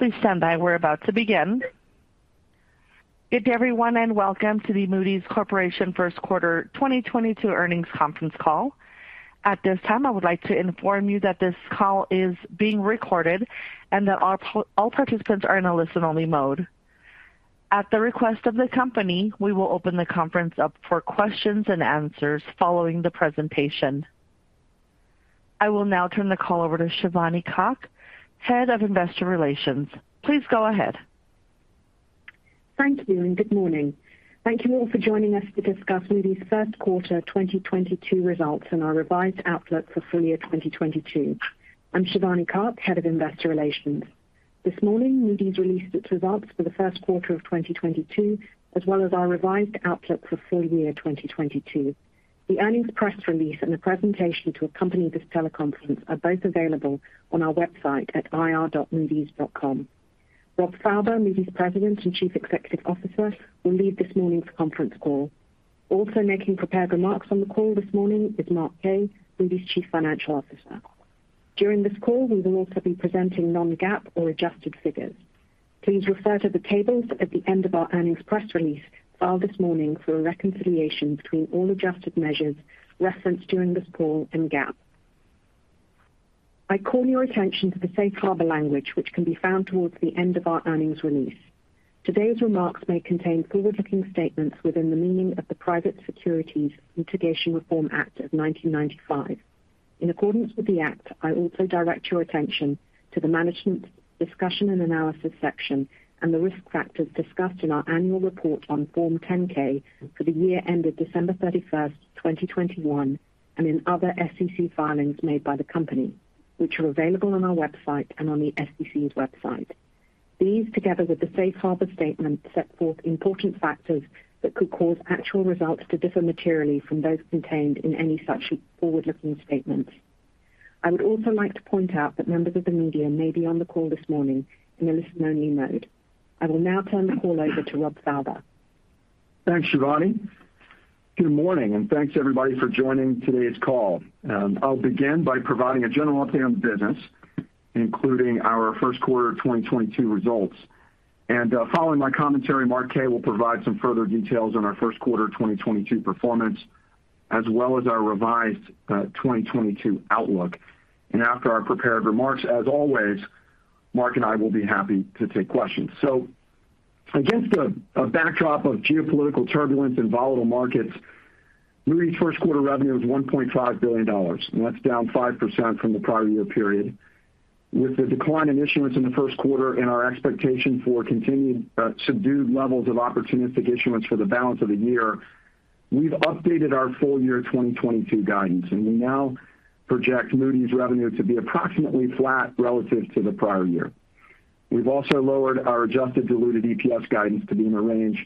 Please stand by. We're about to begin. Good day everyone, and welcome to the Moody's Corporation First Quarter 2022 Earnings Conference Call. At this time, I would like to inform you that this call is being recorded and that all participants are in a listen-only mode. At the request of the company, we will open the conference up for questions and answers following the presentation. I will now turn the call over to Shivani Kak, Head of Investor Relations. Please go ahead. Thank you and good morning. Thank you all for joining us to discuss Moody's first quarter 2022 results and our revised outlook for full-year 2022. I'm Shivani Kak, Head of Investor Relations. This morning, Moody's released its results for the first quarter of 2022, as well as our revised outlook for full-year 2022. The earnings press release and the presentation to accompany this teleconference are both available on our website at ir.moodys.com. Rob Fauber, Moody's President and Chief Executive Officer, will lead this morning's conference call. Also making prepared remarks on the call this morning is Mark Kaye, Moody's Chief Financial Officer. During this call, we will also be presenting non-GAAP or adjusted figures. Please refer to the tables at the end of our earnings press release filed this morning for a reconciliation between all adjusted measures referenced during this call and GAAP. I call your attention to the safe harbor language, which can be found toward the end of our earnings release. Today's remarks may contain forward-looking statements within the meaning of the Private Securities Litigation Reform Act of 1995. In accordance with the act, I also direct your attention to the Management Discussion and Analysis section and the risk factors discussed in our annual report on Form 10-K for the year ended December 31, 2021, and in other SEC filings made by the company, which are available on our website and on the SEC's website. These, together with the safe harbor statement, set forth important factors that could cause actual results to differ materially from those contained in any such forward-looking statements. I would also like to point out that members of the media may be on the call this morning in a listen-only mode. I will now turn the call over to Rob Fauber. Thanks, Shivani. Good morning, and thanks everybody for joining today's call. I'll begin by providing a general update on the business, including our first quarter 2022 results. Following my commentary, Mark Kaye will provide some further details on our first quarter 2022 performance, as well as our revised 2022 outlook. After our prepared remarks, as always, Mark and I will be happy to take questions. Against a backdrop of geopolitical turbulence and volatile markets, Moody's first quarter revenue was $1.5 billion, and that's down 5% from the prior year period. With the decline in issuance in the first quarter and our expectation for continued subdued levels of opportunistic issuance for the balance of the year, we've updated our full-year 2022 guidance, and we now project Moody's revenue to be approximately flat relative to the prior year. We've also lowered our adjusted diluted EPS guidance to be in a range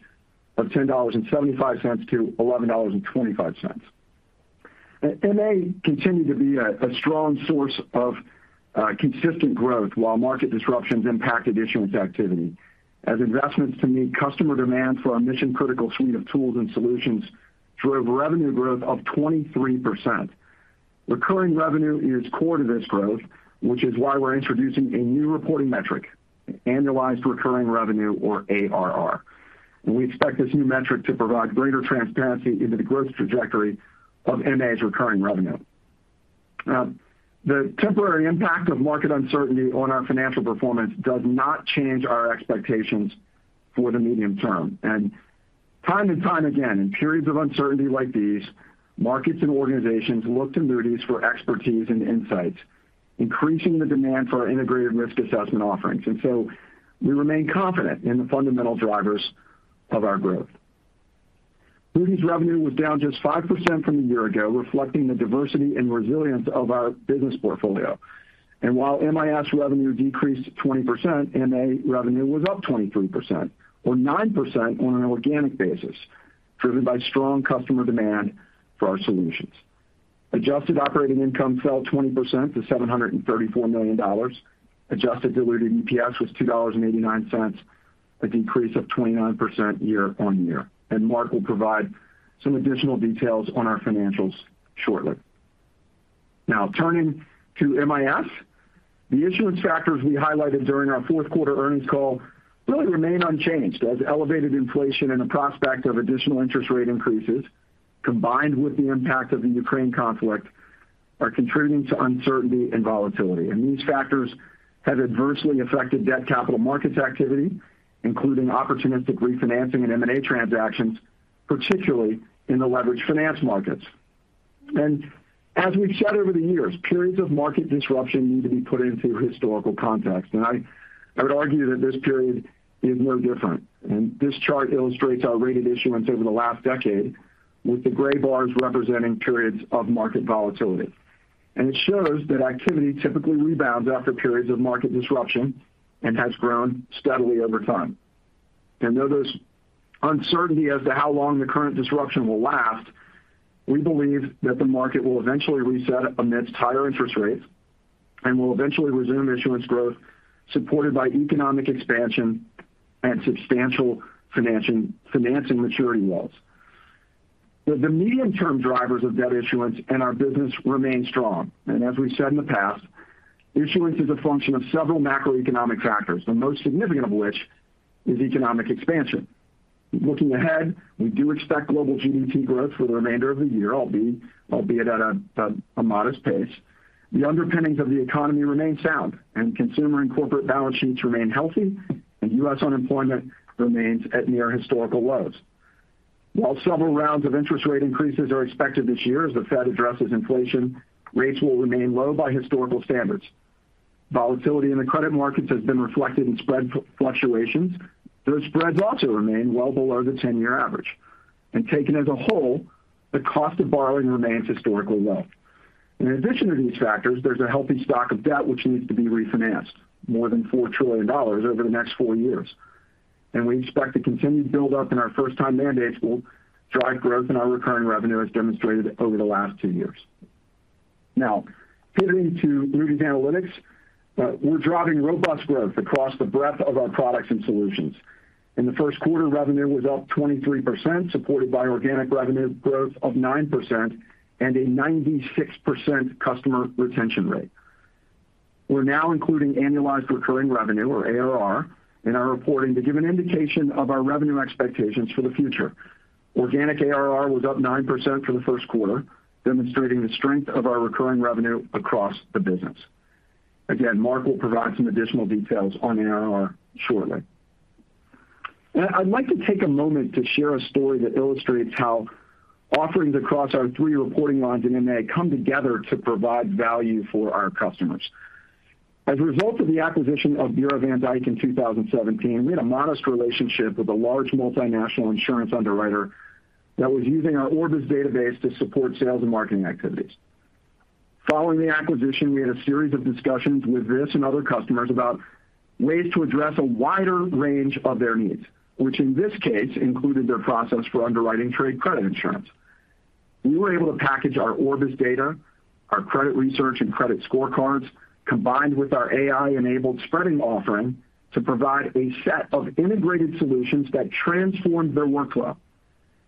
of $10.75-$11.25. MA continued to be a strong source of consistent growth while market disruptions impacted issuance activity as investments to meet customer demand for our mission-critical suite of tools and solutions drove revenue growth of 23%. Recurring revenue is core to this growth, which is why we're introducing a new reporting metric, annualized recurring revenue or ARR. We expect this new metric to provide greater transparency into the growth trajectory of MA's recurring revenue. The temporary impact of market uncertainty on our financial performance does not change our expectations for the medium term. Time and time again, in periods of uncertainty like these, markets and organizations look to Moody's for expertise and insights, increasing the demand for our integrated risk assessment offerings. We remain confident in the fundamental drivers of our growth. Moody's revenue was down just 5% from a year ago, reflecting the diversity and resilience of our business portfolio. While MIS revenue decreased 20%, MA revenue was up 23% or 9% on an organic basis, driven by strong customer demand for our solutions. Adjusted operating income fell 20% to $734 million. Adjusted diluted EPS was $2.89, a decrease of 29% year-over-year. Mark will provide some additional details on our financials shortly. Now turning to MIS. The issuance factors we highlighted during our fourth quarter earnings call really remain unchanged as elevated inflation and the prospect of additional interest rate increases, combined with the impact of the Ukraine conflict, are contributing to uncertainty and volatility. These factors have adversely affected debt capital markets activity, including opportunistic refinancing and M&A transactions, particularly in the leveraged finance markets. As we've said over the years, periods of market disruption need to be put into historical context, and I would argue that this period is no different. This chart illustrates our rated issuance over the last decade, with the gray bars representing periods of market volatility. It shows that activity typically rebounds after periods of market disruption and has grown steadily over time. Though there's uncertainty as to how long the current disruption will last, we believe that the market will eventually reset amidst higher interest rates and will eventually resume issuance growth supported by economic expansion and substantial financing maturity walls. The medium-term drivers of debt issuance in our business remain strong. As we said in the past, issuance is a function of several macroeconomic factors, the most significant of which is economic expansion. Looking ahead, we do expect global GDP growth for the remainder of the year, albeit at a modest pace. The underpinnings of the economy remain sound, and consumer and corporate balance sheets remain healthy, and U.S. unemployment remains at near historical lows. While several rounds of interest rate increases are expected this year as the Fed addresses inflation, rates will remain low by historical standards. Volatility in the credit markets has been reflected in spread fluctuations, though spreads also remain well below the 10-year average. Taken as a whole, the cost of borrowing remains historically low. In addition to these factors, there's a healthy stock of debt which needs to be refinanced, more than $4 trillion over the next four years. We expect the continued build-up in our first-time mandates will drive growth in our recurring revenue as demonstrated over the last two years. Now, pivoting to Moody's Analytics, we're driving robust growth across the breadth of our products and solutions. In the first quarter, revenue was up 23%, supported by organic revenue growth of 9% and a 96% customer retention rate. We're now including annualized recurring revenue or ARR in our reporting to give an indication of our revenue expectations for the future. Organic ARR was up 9% for the first quarter, demonstrating the strength of our recurring revenue across the business. Again, Mark will provide some additional details on ARR shortly. I'd like to take a moment to share a story that illustrates how offerings across our three reporting lines in MA come together to provide value for our customers. As a result of the acquisition of Bureau van Dijk in 2017, we had a modest relationship with a large multinational insurance underwriter that was using our Orbis database to support sales and marketing activities. Following the acquisition, we had a series of discussions with this and other customers about ways to address a wider range of their needs, which in this case included their process for underwriting trade credit insurance. We were able to package our Orbis data, our credit research, and credit scorecards, combined with our AI-enabled spreading offering to provide a set of integrated solutions that transformed their workflow,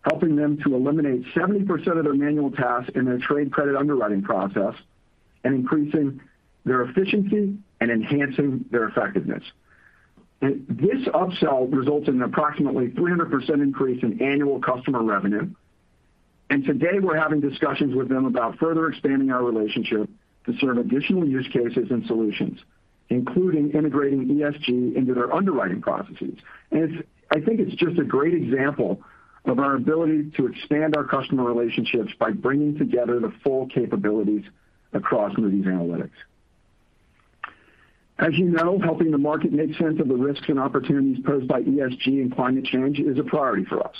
helping them to eliminate 70% of their manual tasks in their trade credit underwriting process and increasing their efficiency and enhancing their effectiveness. This upsell results in approximately 300% increase in annual customer revenue. Today we're having discussions with them about further expanding our relationship to serve additional use cases and solutions, including integrating ESG into their underwriting processes. I think it's just a great example of our ability to expand our customer relationships by bringing together the full capabilities across Moody's Analytics. As you know, helping the market make sense of the risks and opportunities posed by ESG and climate change is a priority for us,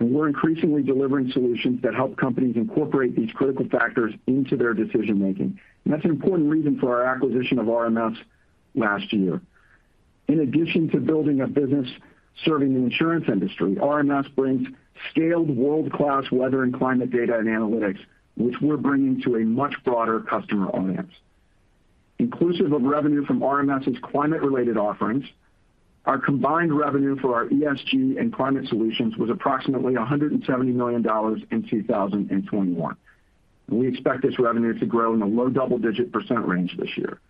and we're increasingly delivering solutions that help companies incorporate these critical factors into their decision-making. That's an important reason for our acquisition of RMS last year. In addition to building a business serving the insurance industry, RMS brings scaled world-class weather and climate data and analytics, which we're bringing to a much broader customer audience. Inclusive of revenue from RMS's climate-related offerings, our combined revenue for our ESG and climate solutions was approximately $170 million in 2021. We expect this revenue to grow in the low double-digit % range this year.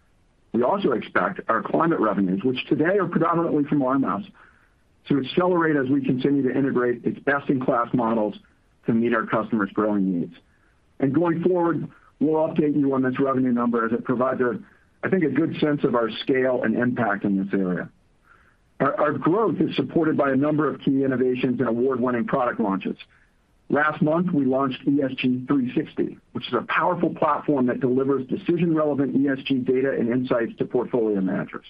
We also expect our climate revenues, which today are predominantly from RMS, to accelerate as we continue to integrate its best-in-class models to meet our customers' growing needs. Going forward, we'll update you on this revenue number as it provides a, I think, a good sense of our scale and impact in this area. Our growth is supported by a number of key innovations and award-winning product launches. Last month, we launched ESG 360, which is a powerful platform that delivers decision-relevant ESG data and insights to portfolio managers.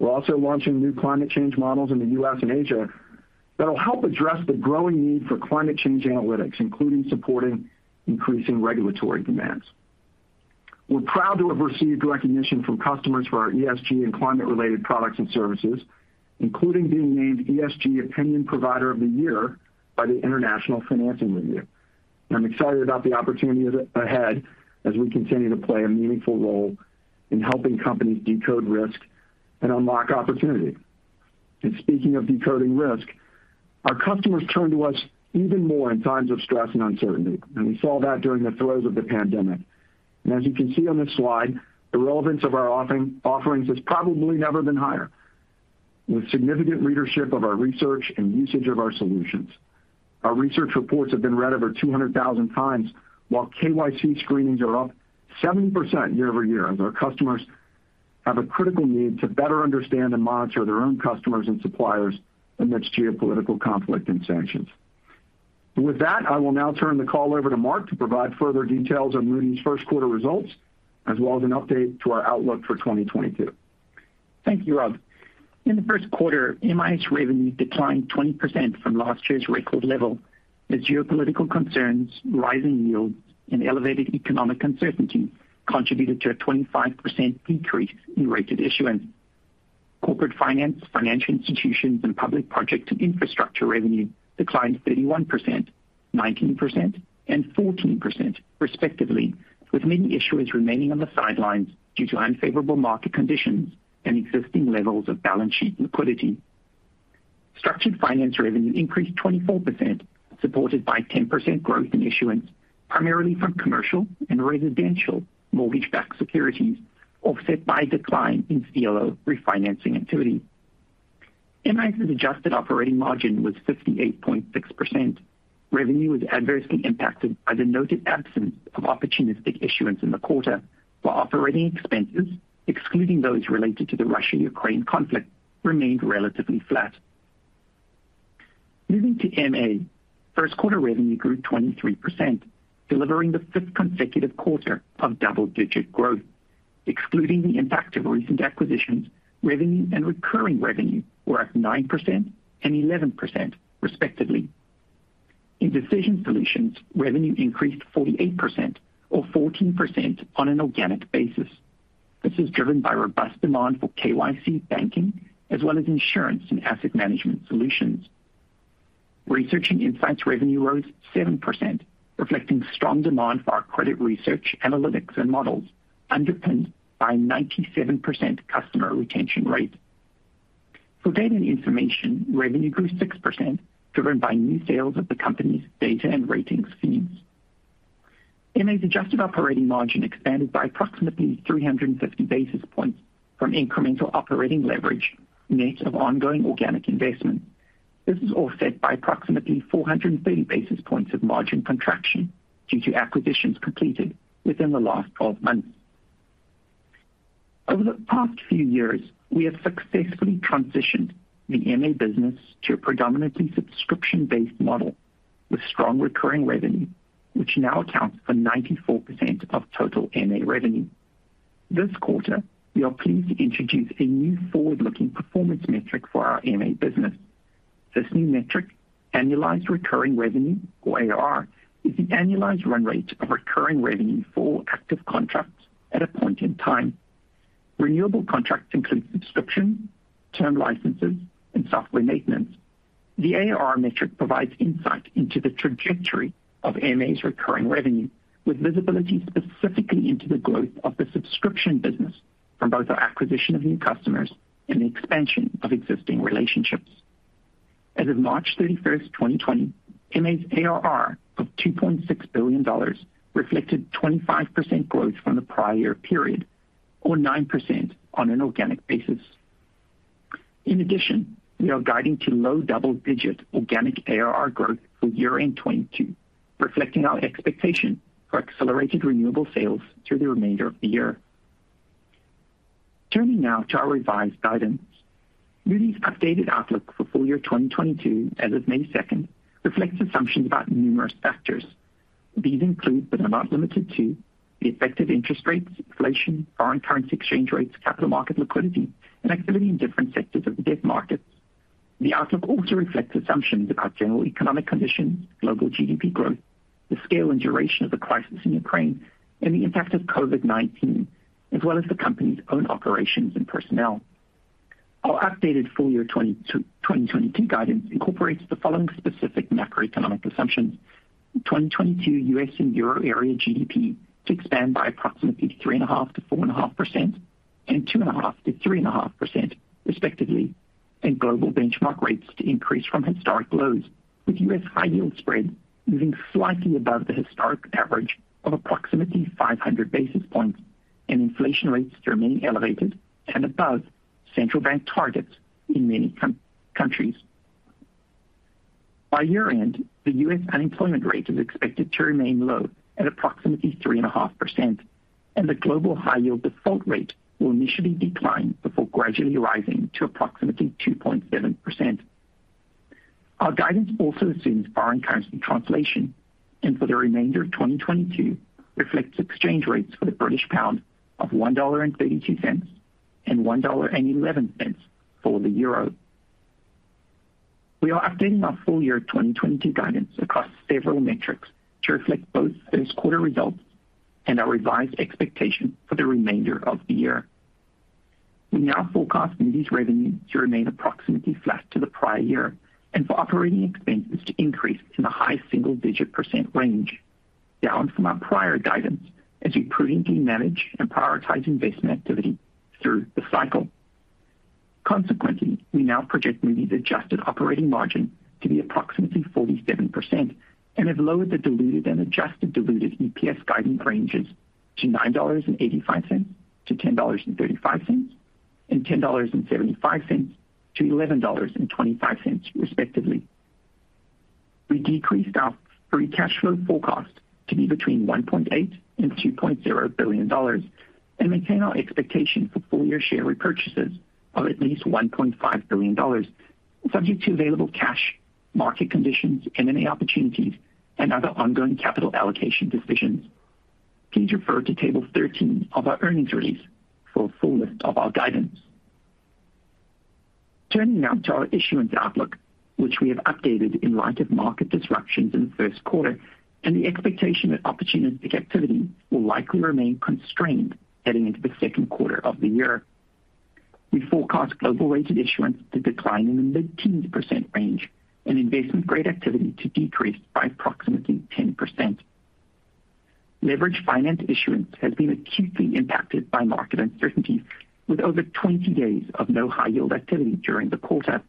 We're also launching new climate change models in the U.S. and Asia that'll help address the growing need for climate change analytics, including supporting increasing regulatory demands. We're proud to have received recognition from customers for our ESG and climate-related products and services, including being named ESG Opinion Provider of the Year by the International Financing Review. I'm excited about the opportunity ahead as we continue to play a meaningful role in helping companies decode risk and unlock opportunity. Speaking of decoding risk, our customers turn to us even more in times of stress and uncertainty, and we saw that during the throes of the pandemic. As you can see on this slide, the relevance of our offerings has probably never been higher, with significant readership of our research and usage of our solutions. Our research reports have been read over 200,000 times, while KYC screenings are up 70% year-over-year as our customers have a critical need to better understand and monitor their own customers and suppliers amidst geopolitical conflict and sanctions. With that, I will now turn the call over to Mark to provide further details on Moody's first quarter results as well as an update to our outlook for 2022. Thank you, Rob. In the first quarter, MIS revenue declined 20% from last year's record level as geopolitical concerns, rising yields, and elevated economic uncertainty contributed to a 25% decrease in rated issuance. Corporate finance, financial institutions, and public projects and infrastructure revenue declined 31%, 19%, and 14% respectively, with many issuers remaining on the sidelines due to unfavorable market conditions and existing levels of balance sheet liquidity. Structured finance revenue increased 24%, supported by 10% growth in issuance, primarily from commercial and residential mortgage-backed securities, offset by a decline in CLO refinancing activity. MIS's adjusted operating margin was 58.6%. Revenue was adversely impacted by the noted absence of opportunistic issuance in the quarter. While operating expenses, excluding those related to the Russia-Ukraine conflict, remained relatively flat. Moving to MA. First quarter revenue grew 23%, delivering the fifth consecutive quarter of double-digit growth. Excluding the impact of recent acquisitions, revenue and recurring revenue were up 9% and 11% respectively. In Decision Solutions, revenue increased 48% or 14% on an organic basis. This is driven by robust demand for KYC banking as well as insurance and asset management solutions. Research and insights revenue rose 7%, reflecting strong demand for our credit research, analytics and models, underpinned by 97% customer retention rate. For data and information, revenue grew 6%, driven by new sales of the company's data and ratings feeds. MA's adjusted operating margin expanded by approximately 350 basis points from incremental operating leverage, net of ongoing organic investment. This is offset by approximately 430 basis points of margin contraction due to acquisitions completed within the last 12 months. Over the past few years, we have successfully transitioned the MA business to a predominantly subscription-based model with strong recurring revenue, which now accounts for 94% of total MA revenue. This quarter, we are pleased to introduce a new forward-looking performance metric for our MA business. This new metric, annualized recurring revenue or ARR, is the annualized run rate of recurring revenue for active contracts at a point in time. Renewable contracts include subscription, term licenses, and software maintenance. The ARR metric provides insight into the trajectory of MA's recurring revenue, with visibility specifically into the growth of the subscription business from both our acquisition of new customers and the expansion of existing relationships. As of March 31st, 2020, MA's ARR of $2.6 billion reflected 25% growth from the prior period, or 9% on an organic basis. In addition, we are guiding to low double-digit organic ARR growth for year-end 2022, reflecting our expectation for accelerated renewable sales through the remainder of the year. Turning now to our revised guidance. Moody's updated outlook for full-year 2022 as of May 2nd reflects assumptions about numerous factors. These include, but are not limited to the effect of interest rates, inflation, foreign currency exchange rates, capital market liquidity, and activity in different sectors of the debt markets. The outlook also reflects assumptions about general economic conditions, global GDP growth, the scale and duration of the crisis in Ukraine, and the impact of COVID-19, as well as the company's own operations and personnel. Our updated full-year 2022 guidance incorporates the following specific macroeconomic assumptions. 2022 U.S. and euro area GDP to expand by approximately 3.5%-4.5% and 2.5%-3.5% respectively, and global benchmark rates to increase from historic lows, with U.S. high yield spread moving slightly above the historic average of approximately 500 basis points and inflation rates remaining elevated and above central bank targets in many countries. By year-end, the U.S. unemployment rate is expected to remain low at approximately 3.5%, and the global high yield default rate will initially decline before gradually rising to approximately 2.7%. Our guidance also assumes foreign currency translation, and for the remainder of 2022 reflects exchange rates for the British pound of $1.32 and $1.11 for the euro. We are updating our full-year 2022 guidance across several metrics to reflect both first quarter results and our revised expectation for the remainder of the year. We now forecast Moody's revenue to remain approximately flat to the prior year, and for operating expenses to increase in the high single-digit percent range, down from our prior guidance as we prudently manage and prioritize investment activity through the cycle. Consequently, we now project Moody's adjusted operating margin to be approximately 47% and have lowered the diluted and adjusted diluted EPS guidance ranges to $9.85-$10.35, and $10.75-$11.25, respectively. We decreased our free cash flow forecast to be between $1.8 billion-$2.0 billion, and maintain our expectation for full-year share repurchases of at least $1.5 billion, subject to available cash, market conditions, M&A opportunities and other ongoing capital allocation decisions. Please refer to Table 13 of our earnings release for a full list of our guidance. Turning now to our issuance outlook, which we have updated in light of market disruptions in the first quarter and the expectation that opportunistic activity will likely remain constrained heading into the second quarter of the year. We forecast global rated issuance to decline in the mid-teens percent range and investment grade activity to decrease by approximately 10%. Leveraged finance issuance has been acutely impacted by market uncertainty with over 20 days of no high yield activity during the quarter.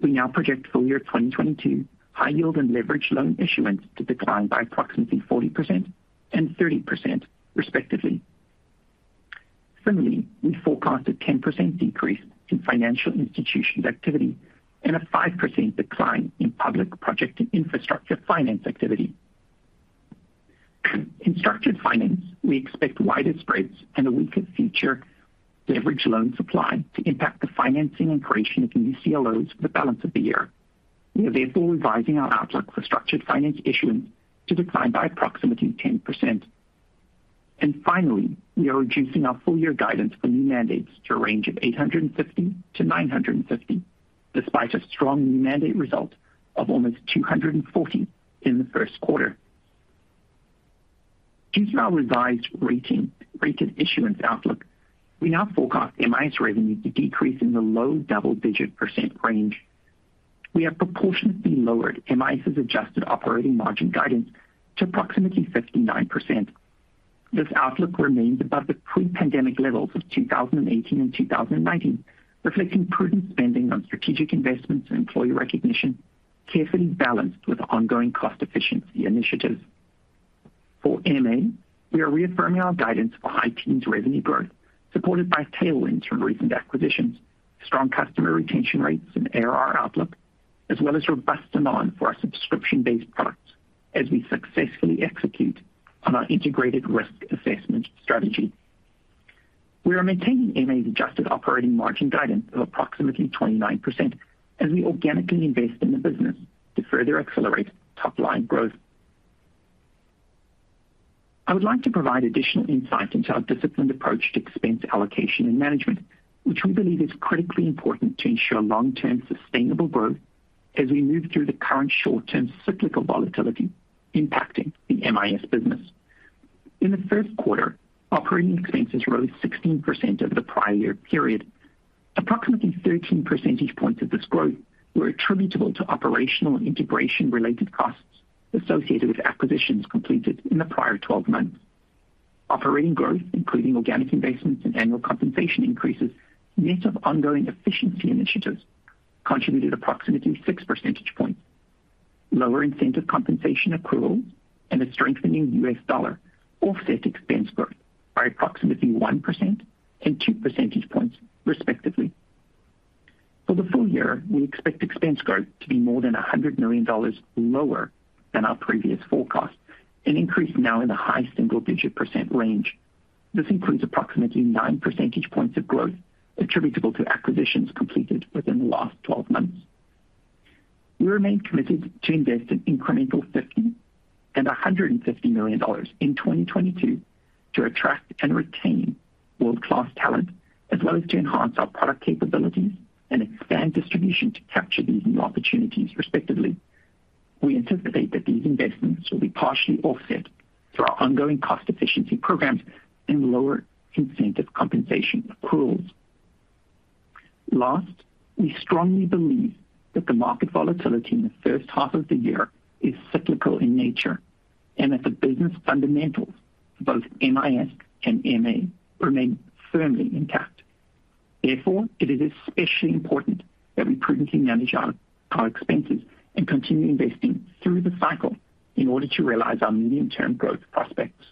We now project full-year 2022 high yield and leveraged loan issuance to decline by approximately 40% and 30% respectively. Similarly, we forecast a 10% decrease in financial institutions activity and a 5% decline in public project and infrastructure finance activity. In structured finance, we expect wider spreads and a weaker future leverage loan supply to impact the financing and creation of new CLOs for the balance of the year. We are therefore revising our outlook for structured finance issuance to decline by approximately 10%. Finally, we are reducing our full-year guidance for new mandates to a range of 850-950, despite a strong new mandate result of almost 240 in the first quarter. Due to our revised rating, rate and issuance outlook, we now forecast MIS revenue to decrease in the low double-digit percent range. We have proportionately lowered MIS' adjusted operating margin guidance to approximately 59%. This outlook remains above the pre-pandemic levels of 2018 and 2019, reflecting prudent spending on strategic investments and employee recognition, carefully balanced with ongoing cost efficiency initiatives. For MA, we are reaffirming our guidance for high-teens revenue growth, supported by tailwinds from recent acquisitions, strong customer retention rates and ARR outlook, as well as robust demand for our subscription-based products as we successfully execute on our integrated risk assessment strategy. We are maintaining MA's adjusted operating margin guidance of approximately 29% as we organically invest in the business to further accelerate top line growth. I would like to provide additional insight into our disciplined approach to expense allocation and management, which we believe is critically important to ensure long-term sustainable growth as we move through the current short-term cyclical volatility impacting the MIS business. In the first quarter, operating expenses rose 16% over the prior year period. Approximately 13 percentage points of this growth were attributable to operational and integration related costs associated with acquisitions completed in the prior 12 months. Operating growth, including organic investments and annual compensation increases, net of ongoing efficiency initiatives, contributed approximately 6 percentage points. Lower incentive compensation accruals and a strengthening U.S. dollar offset expense growth by approximately 1% and 2 percentage points respectively. For the full-year, we expect expense growth to be more than $100 million lower than our previous forecast, an increase now in the high single-digit % range. This includes approximately 9 percentage points of growth attributable to acquisitions completed within the last 12 months. We remain committed to investing incremental $50 million-$150 million in 2022 to attract and retain world-class talent as well as to enhance our product capabilities and expand distribution to capture these new opportunities respectively. We anticipate that these investments will be partially offset through our ongoing cost efficiency programs and lower incentive compensation accruals. Last, we strongly believe that the market volatility in the first half of the year is cyclical in nature and that the business fundamentals for both MIS and MA remain firmly intact. Therefore, it is especially important that we prudently manage our expenses and continue investing through the cycle in order to realize our medium-term growth prospects.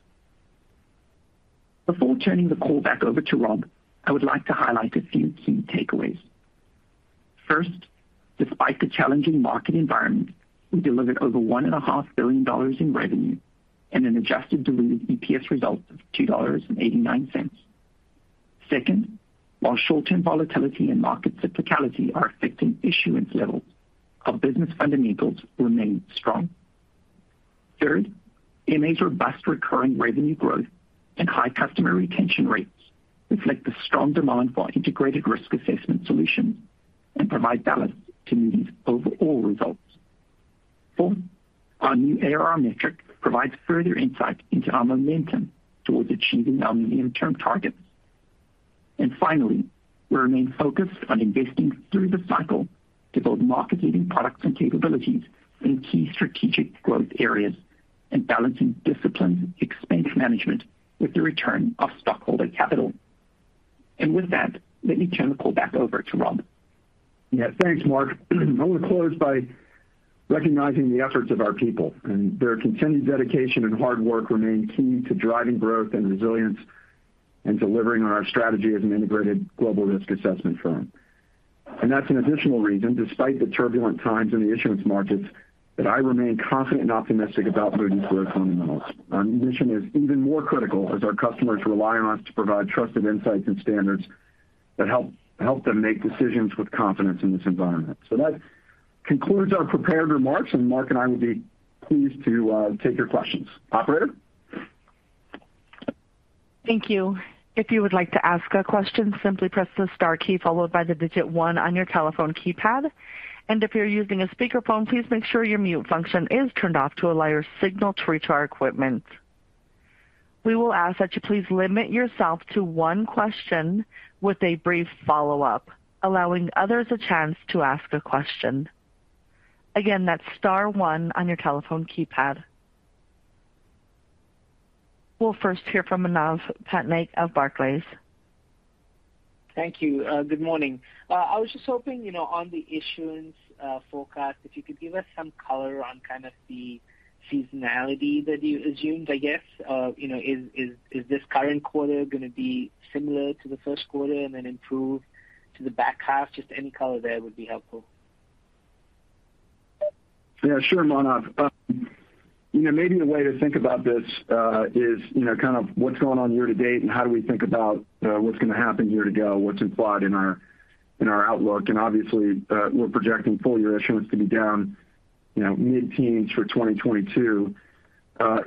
Before turning the call back over to Rob, I would like to highlight a few key takeaways. First, despite the challenging market environment, we delivered over $1.5 billion in revenue and an adjusted diluted EPS result of $2.89. Second, while short-term volatility and market cyclicality are affecting issuance levels, our business fundamentals remain strong. Third, MA's robust recurring revenue growth and high customer retention rates reflect the strong demand for integrated risk assessment solutions and provide balance to Moody's overall results. Fourth, our new ARR metric provides further insight into our momentum towards achieving our medium-term targets. Finally, we remain focused on investing through the cycle to build market-leading products and capabilities in key strategic growth areas and balancing disciplined expense management with the return of stockholder capital. With that, let me turn the call back over to Rob. Yeah, thanks, Mark. I want to close by recognizing the efforts of our people, and their continued dedication and hard work remain key to driving growth and resilience and delivering on our strategy as an integrated global risk assessment firm. That's an additional reason, despite the turbulent times in the issuance markets, that I remain confident and optimistic about Moody's growth fundamentals. Our mission is even more critical as our customers rely on us to provide trusted insights and standards that help them make decisions with confidence in this environment. That concludes our prepared remarks, and Mark and I would be pleased to take your questions. Operator? Thank you. If you would like to ask a question, simply press the star key followed by the digit one on your telephone keypad. If you're using a speakerphone, please make sure your mute function is turned off to allow your signal to reach our equipment. We will ask that you please limit yourself to one question with a brief follow-up, allowing others a chance to ask a question. Again, that's star one on your telephone keypad. We'll first hear from Manav Patnaik of Barclays. Thank you. Good morning. I was just hoping, you know, on the issuance forecast, if you could give us some color on kind of the seasonality that you assumed, I guess. You know, is this current quarter gonna be similar to the first quarter and then improve to the back half? Just any color there would be helpful. Yeah, sure, Manav. You know, maybe the way to think about this is, you know, kind of what's going on year-to-date and how do we think about what's gonna happen year to go, what's implied in our outlook. Obviously, we're projecting full year issuance to be down, you know, mid-teens for 2022.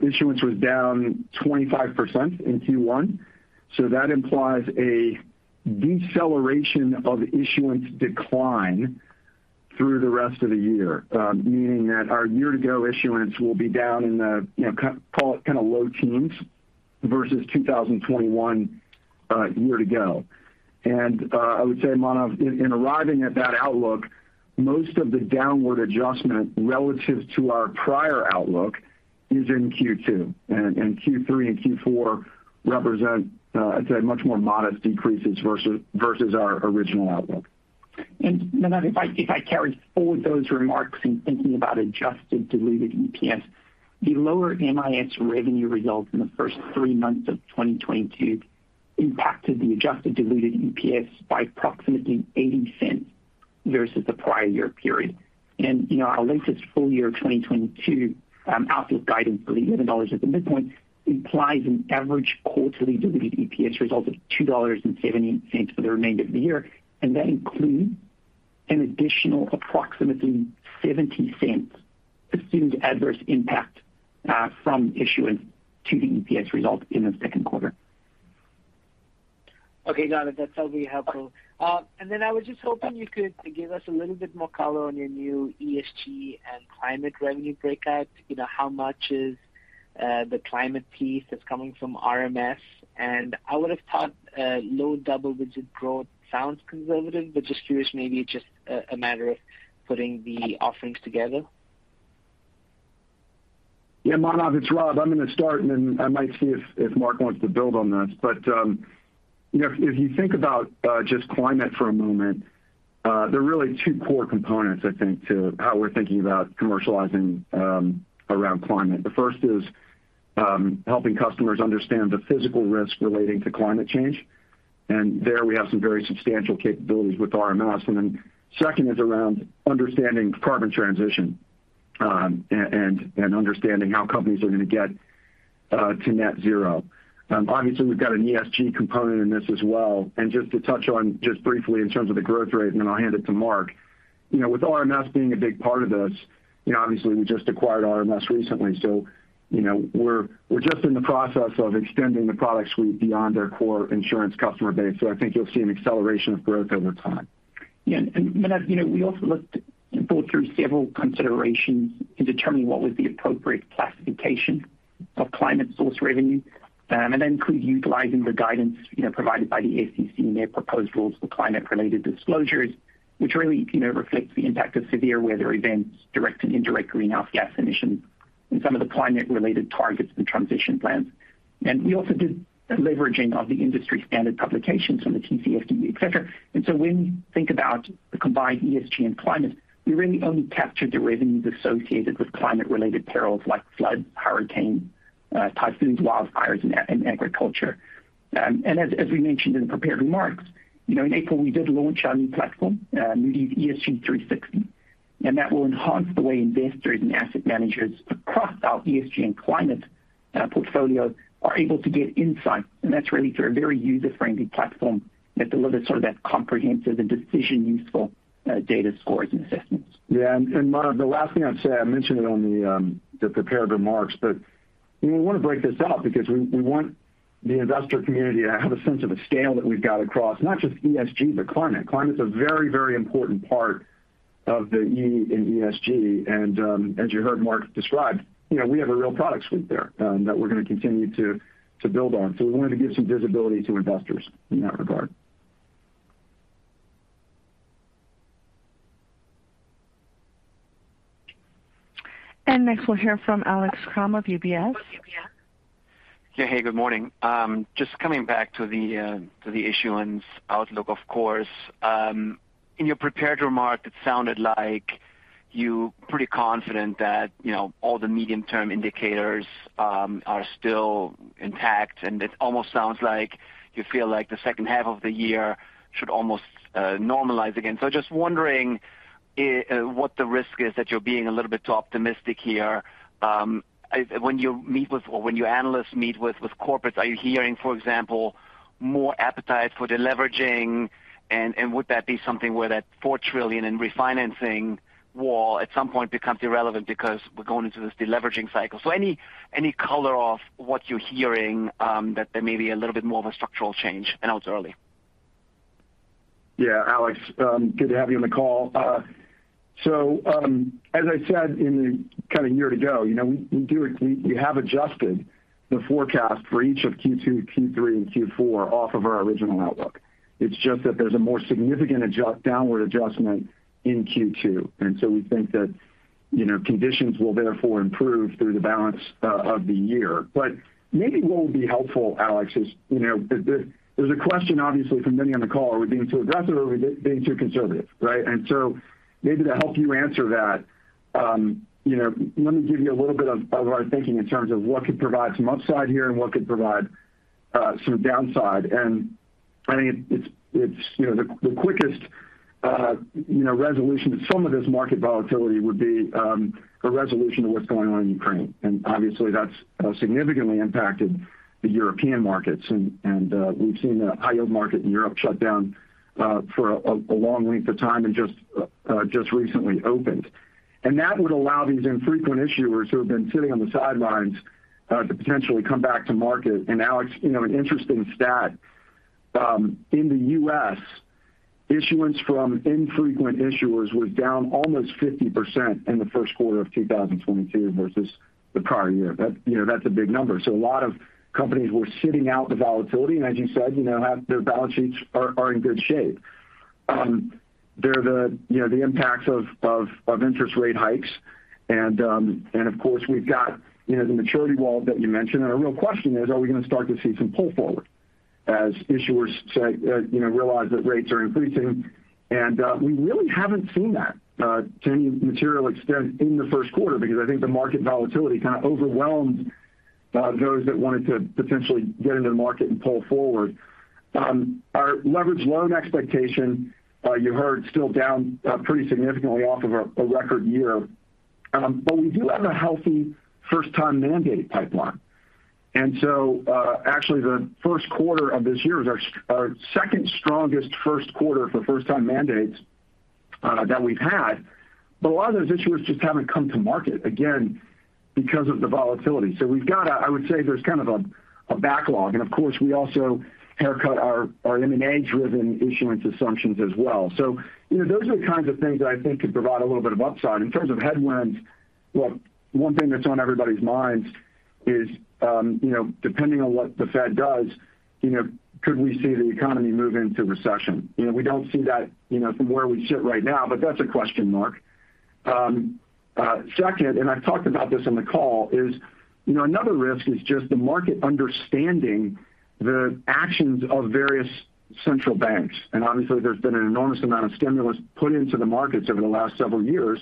Issuance was down 25% in Q1, so that implies a deceleration of issuance decline through the rest of the year. Meaning that our year-to-go issuance will be down in the, you know, call it kinda low teens versus 2021, year to go. I would say, Manav, in arriving at that outlook, most of the downward adjustment relative to our prior outlook is in Q2. Q3 and Q4 represent, I'd say, much more modest decreases versus our original outlook. Manav, if I carry forward those remarks in thinking about adjusted diluted EPS, the lower MIS revenue results in the first three months of 2022 impacted the adjusted diluted EPS by approximately $0.80 versus the prior year period. You know, our latest full-year 2022 outlook guidance of $11 at the midpoint implies an average quarterly diluted EPS result of $2.70 for the remainder of the year. That includes an additional approximately $0.70 assumed adverse impact from FX to the EPS result in the second quarter. Okay, got it. That's totally helpful. I was just hoping you could give us a little bit more color on your new ESG and climate revenue breakout. You know, how much is the climate piece that's coming from RMS? I would've thought low double-digit growth sounds conservative, just curious, maybe it's just a matter of putting the offerings together. Yeah, Manav, it's Rob. I'm gonna start, and then I might see if Mark wants to build on this. You know, if you think about just climate for a moment, there are really two core components, I think, to how we're thinking about commercializing around climate. The first is helping customers understand the physical risk relating to climate change. There we have some very substantial capabilities with RMS. Then second is around understanding carbon transition and understanding how companies are gonna get to net zero. Obviously we've got an ESG component in this as well. Just to touch on just briefly in terms of the growth rate, and then I'll hand it to Mark. You know, with RMS being a big part of this, you know, obviously we just acquired RMS recently, so, you know, we're just in the process of extending the product suite beyond our core insurance customer base. I think you'll see an acceleration of growth over time. Yeah. Manav, you know, we also looked and thought through several considerations in determining what was the appropriate classification of climate source revenue. That includes utilizing the guidance, you know, provided by the SEC in their proposed rules for climate-related disclosures, which really, you know, reflects the impact of severe weather events, direct and indirect greenhouse gas emissions, and some of the climate-related targets and transition plans. We also did a leveraging of the industry standard publications from the TCFD, et cetera. When we think about the combined ESG and climate, we really only captured the revenues associated with climate-related perils like flood, hurricane, typhoons, wildfires, and agriculture. We mentioned in the prepared remarks, you know, in April, we did launch our new platform, Moody's ESG 360. That will enhance the way investors and asset managers across our ESG and climate portfolios are able to get insight. That's really through a very user-friendly platform that delivers sort of that comprehensive and decision useful data scores and assessments. Yeah. Manav, the last thing I'd say, I mentioned it on the prepared remarks, but you know, we wanna break this out because we want the investor community to have a sense of the scale that we've got across not just ESG, but climate. Climate's a very important part of the E in ESG. As you heard Mark describe, you know, we have a real product suite there that we're gonna continue to build on. We wanted to give some visibility to investors in that regard. Next we'll hear from Alex Kramm of UBS. Yeah. Hey, good morning. Just coming back to the issuance outlook, of course. In your prepared remarks, it sounded like you pretty confident that, you know, all the medium-term indicators are still intact, and it almost sounds like you feel like the second half of the year should almost normalize again. Just wondering what the risk is that you're being a little bit too optimistic here. When you meet with or when your analysts meet with corporates, are you hearing, for example, more appetite for deleveraging? And would that be something where that $4 trillion in refinancing wall at some point becomes irrelevant because we're going into this deleveraging cycle? Any color of what you're hearing that there may be a little bit more of a structural change and out early? Yeah. Alex, good to have you on the call. As I said in the kind of year-ago, you know, we have adjusted the forecast for each of Q2, Q3, and Q4 off of our original outlook. It's just that there's a more significant downward adjustment in Q2. We think that, you know, conditions will therefore improve through the balance of the year. Maybe what will be helpful, Alex, is, you know, there's a question obviously from many on the call, are we being too aggressive or are we being too conservative, right? Maybe to help you answer that, you know, let me give you a little bit of our thinking in terms of what could provide some upside here and what could provide some downside. I think it's you know the quickest resolution to some of this market volatility would be a resolution to what's going on in Ukraine. Obviously that's significantly impacted the European markets and we've seen the high yield market in Europe shut down for a long length of time and just recently opened. That would allow these infrequent issuers who have been sitting on the sidelines to potentially come back to market. Alex you know an interesting stat in the U.S. issuance from infrequent issuers was down almost 50% in the first quarter of 2022 versus the prior year. That you know that's a big number. A lot of companies were sitting out the volatility, and as you said, you know, have their balance sheets are in good shape. They're, you know, the impacts of interest rate hikes. Of course we've got, you know, the maturity wall that you mentioned. Our real question is, are we gonna start to see some pull forward as issuers say, you know, realize that rates are increasing? We really haven't seen that to any material extent in the first quarter because I think the market volatility kind of overwhelmed those that wanted to potentially get into the market and pull forward. Our leveraged loan expectation, you heard, still down pretty significantly off of a record year. We do have a healthy first-time mandate pipeline. Actually the first quarter of this year is our second strongest first quarter for first time mandates that we've had. A lot of those issuers just haven't come to market again because of the volatility. We've got a I would say there's kind of a backlog and of course we also haircut our M&A driven issuance assumptions as well. You know, those are the kinds of things that I think could provide a little bit of upside. In terms of headwinds, one thing that's on everybody's minds is you know, depending on what the Fed does, you know, could we see the economy move into recession? You know, we don't see that you know, from where we sit right now, but that's a question mark. Second, and I've talked about this on the call, is, you know, another risk is just the market understanding the actions of various central banks. Obviously there's been an enormous amount of stimulus put into the markets over the last several years.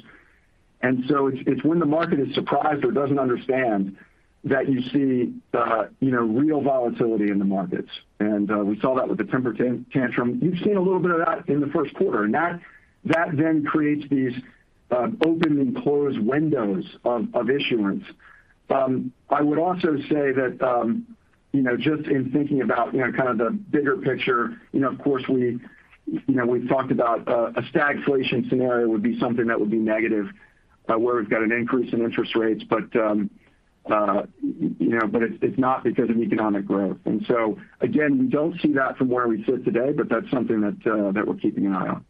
It's, it's when the market is surprised or doesn't understand that you see the, you know, real volatility in the markets. We saw that with the taper tantrum. You've seen a little bit of that in the first quarter, and that then creates these open and closed windows of issuance. I would also say that, you know, just in thinking about, you know, kind of the bigger picture, you know, of course we, you know, we've talked about a stagflation scenario would be something that would be negative, where we've got an increase in interest rates, but you know, but it's not because of economic growth. Again, we don't see that from where we sit today, but that's something that we're keeping an eye on.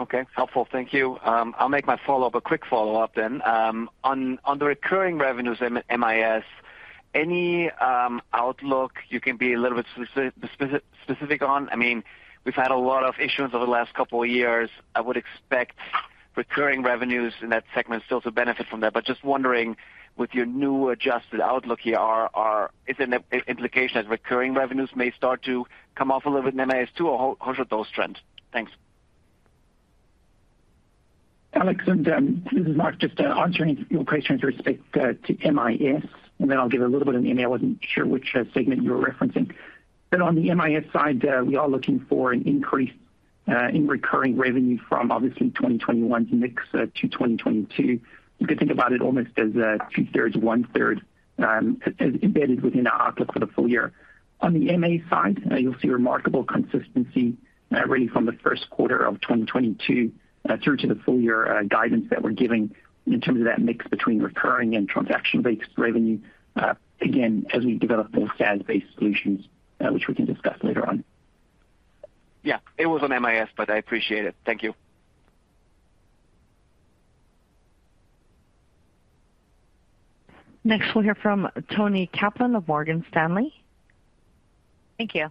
Okay. Helpful. Thank you. I'll make my follow-up a quick follow-up then. On the recurring revenues in MIS, any outlook you can be a little bit specific on? I mean, we've had a lot of issuance over the last couple of years. I would expect recurring revenues in that segment still to benefit from that. Just wondering with your new adjusted outlook here, is an implication that recurring revenues may start to come off a little bit in MIS too, or how's with those trends? Thanks. Alex, this is Mark just answering your question with respect to MIS and then I'll give a little bit on MA. I wasn't sure which segment you were referencing. On the MIS side, we are looking for an increase in recurring revenue from obviously 2021's mix to 2022. You could think about it almost as two-thirds, one-third as embedded within our outlook for the full year. On the MA side, you'll see remarkable consistency really from the first quarter of 2022 through to the full year guidance that we're giving in terms of that mix between recurring and transaction-based revenue again, as we develop more SaaS-based solutions which we can discuss later on. Yeah, it was on MIS, but I appreciate it. Thank you. Next, we'll hear from Toni Kaplan of Morgan Stanley. Thank you.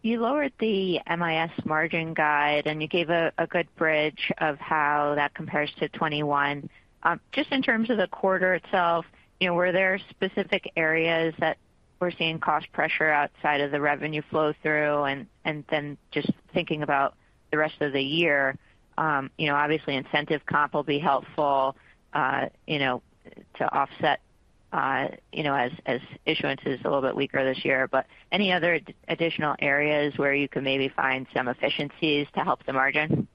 You lowered the MIS margin guide and you gave a good bridge of how that compares to 2021. Just in terms of the quarter itself, you know, were there specific areas that we're seeing cost pressure outside of the revenue flow through? Just thinking about the rest of the year, you know, obviously incentive comp will be helpful, you know, to offset, you know, as issuance is a little bit weaker this year. Any other additional areas where you could maybe find some efficiencies to help the margin?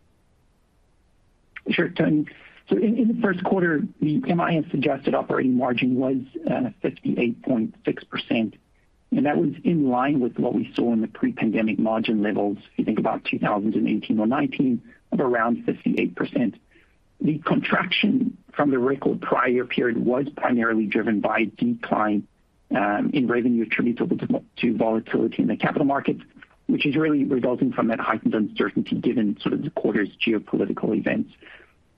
Sure, Toni. In the first quarter, the MIS suggested operating margin was 58.6%, and that was in line with what we saw in the pre-pandemic margin levels. If you think about 2018 or 2019 of around 58%. The contraction from the record prior period was primarily driven by decline in revenue attributable to volatility in the capital markets. Which is really resulting from that heightened uncertainty given sort of the quarter's geopolitical events.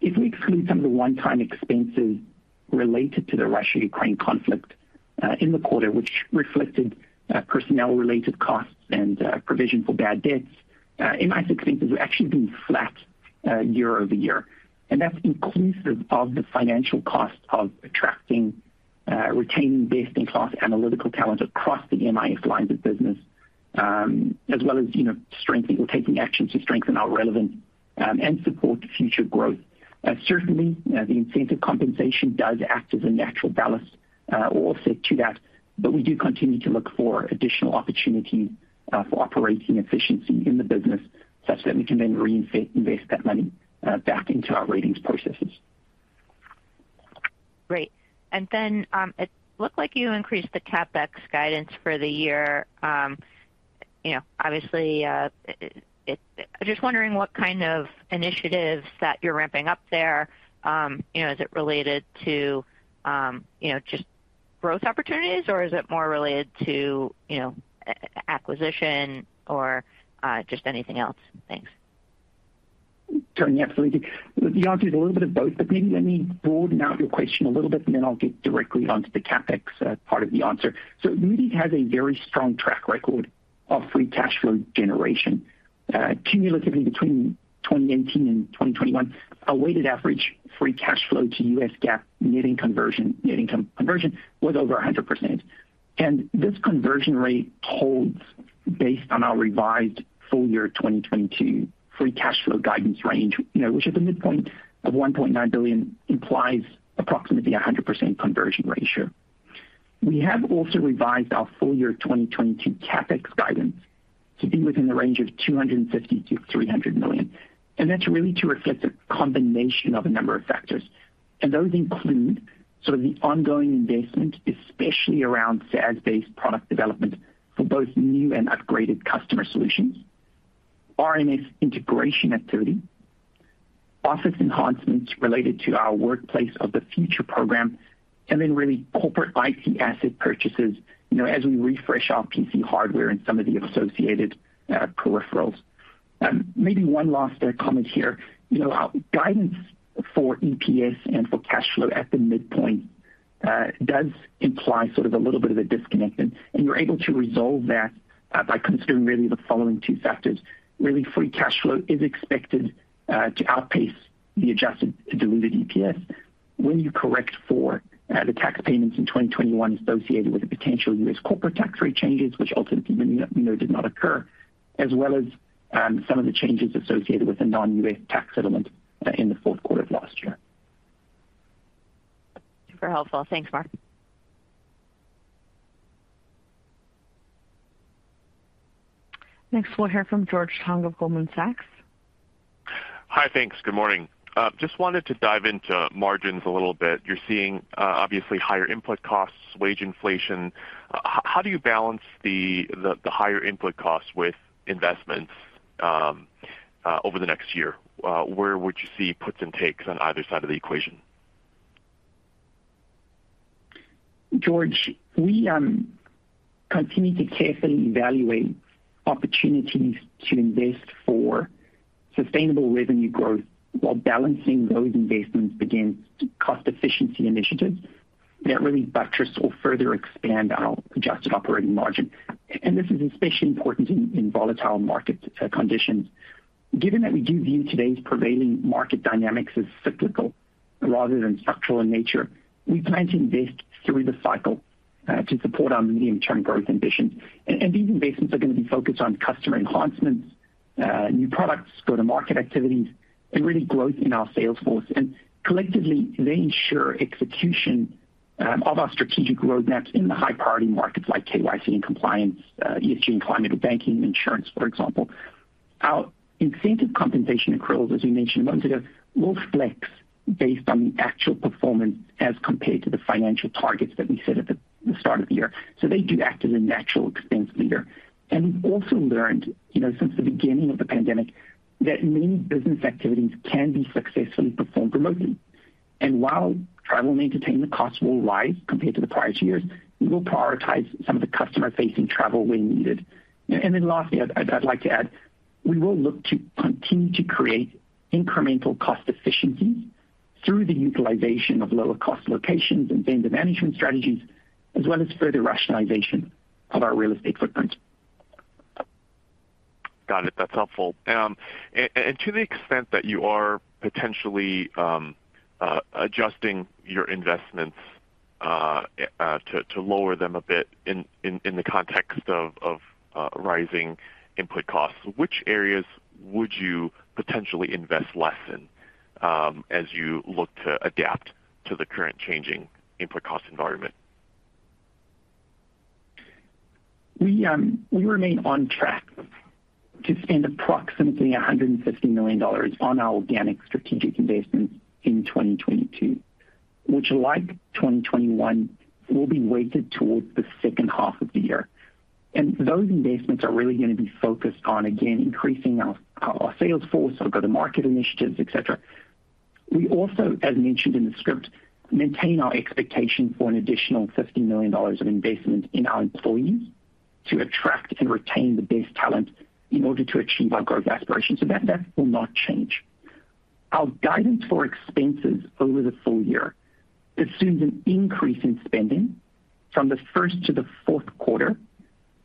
If we exclude some of the one-time expenses related to the Russia-Ukraine conflict in the quarter, which reflected personnel related costs and provision for bad debts, MIS expenses have actually been flat year-over-year. That's inclusive of the financial cost of attracting retaining best-in-class analytical talent across the MIS lines of business, as well as, you know, strengthening or taking actions to strengthen our relevance and support future growth. Certainly, the incentive compensation does act as a natural ballast or offset to that. We do continue to look for additional opportunity for operating efficiency in the business such that we can then reinvest that money back into our ratings processes. Great. It looked like you increased the CapEx guidance for the year. You know, obviously, I'm just wondering what kind of initiatives that you're ramping up there. You know, is it related to, you know, just growth opportunities, or is it more related to, you know, acquisition or just anything else? Thanks. Toni, absolutely. The answer is a little bit of both, but maybe let me broaden out your question a little bit, and then I'll get directly onto the CapEx part of the answer. Moody's has a very strong track record of free cash flow generation. Cumulatively between 2019 and 2021, a weighted average free cash flow to U.S. GAAP net income conversion was over 100%. This conversion rate holds based on our revised full-year 2022 free cash flow guidance range, you know, which at the midpoint of $1.9 billion implies approximately a 100% conversion ratio. We have also revised our full-year 2022 CapEx guidance to be within the range of $250 million-$300 million, and that's really to reflect a combination of a number of factors. Those include sort of the ongoing investment, especially around SaaS-based product development for both new and upgraded customer solutions, RMS integration activity, office enhancements related to our Workplace of the Future program, and then really corporate IT asset purchases, you know, as we refresh our PC hardware and some of the associated peripherals. Maybe one last comment here. You know, our guidance for EPS and for cash flow at the midpoint does imply sort of a little bit of a disconnect, and you're able to resolve that by considering really the following two factors. Really, free cash flow is expected to outpace the adjusted diluted EPS when you correct for the tax payments in 2021 associated with the potential U.S. corporate tax rate changes, which ultimately, you know, did not occur, as well as some of the changes associated with the non-U.S. tax settlement in the fourth quarter of last year. Super helpful. Thanks, Mark. Next, we'll hear from George Tong of Goldman Sachs. Hi. Thanks. Good morning. Just wanted to dive into margins a little bit. You're seeing, obviously higher input costs, wage inflation. How do you balance the higher input costs with investments over the next year? Where would you see puts and takes on either side of the equation? George, we continue to carefully evaluate opportunities to invest for sustainable revenue growth while balancing those investments against cost efficiency initiatives that really buttress or further expand our adjusted operating margin. This is especially important in volatile market conditions. Given that we do view today's prevailing market dynamics as cyclical rather than structural in nature, we plan to invest through the cycle to support our medium-term growth ambitions. These investments are going to be focused on customer enhancements, new products, go-to-market activities, and really growth in our sales force. Collectively, they ensure execution of our strategic roadmaps in the high-priority markets like KYC and compliance, ESG and climate, and banking and insurance, for example. Our incentive compensation accrual, as we mentioned months ago, will flex based on the actual performance as compared to the financial targets that we set at the start of the year. They do act as a natural expense lever. We've also learned, you know, since the beginning of the pandemic, that many business activities can be successfully performed remotely. While travel and entertainment costs will rise compared to the prior two years, we will prioritize some of the customer-facing travel when needed. Lastly, I'd like to add, we will look to continue to create incremental cost efficiencies through the utilization of lower cost locations and vendor management strategies, as well as further rationalization of our real estate footprint. Got it. That's helpful. To the extent that you are potentially adjusting your investments to lower them a bit in the context of rising input costs, which areas would you potentially invest less in as you look to adapt to the current changing input cost environment? We remain on track to spend approximately $150 million on our organic strategic investments in 2022, which like 2021, will be weighted towards the second half of the year. Those investments are really going to be focused on, again, increasing our sales force, our go-to-market initiatives, et cetera. We also, as mentioned in the script, maintain our expectation for an additional $50 million of investment in our employees to attract and retain the best talent in order to achieve our growth aspirations. That will not change. Our guidance for expenses over the full-year assumes an increase in spending from the first to the fourth quarter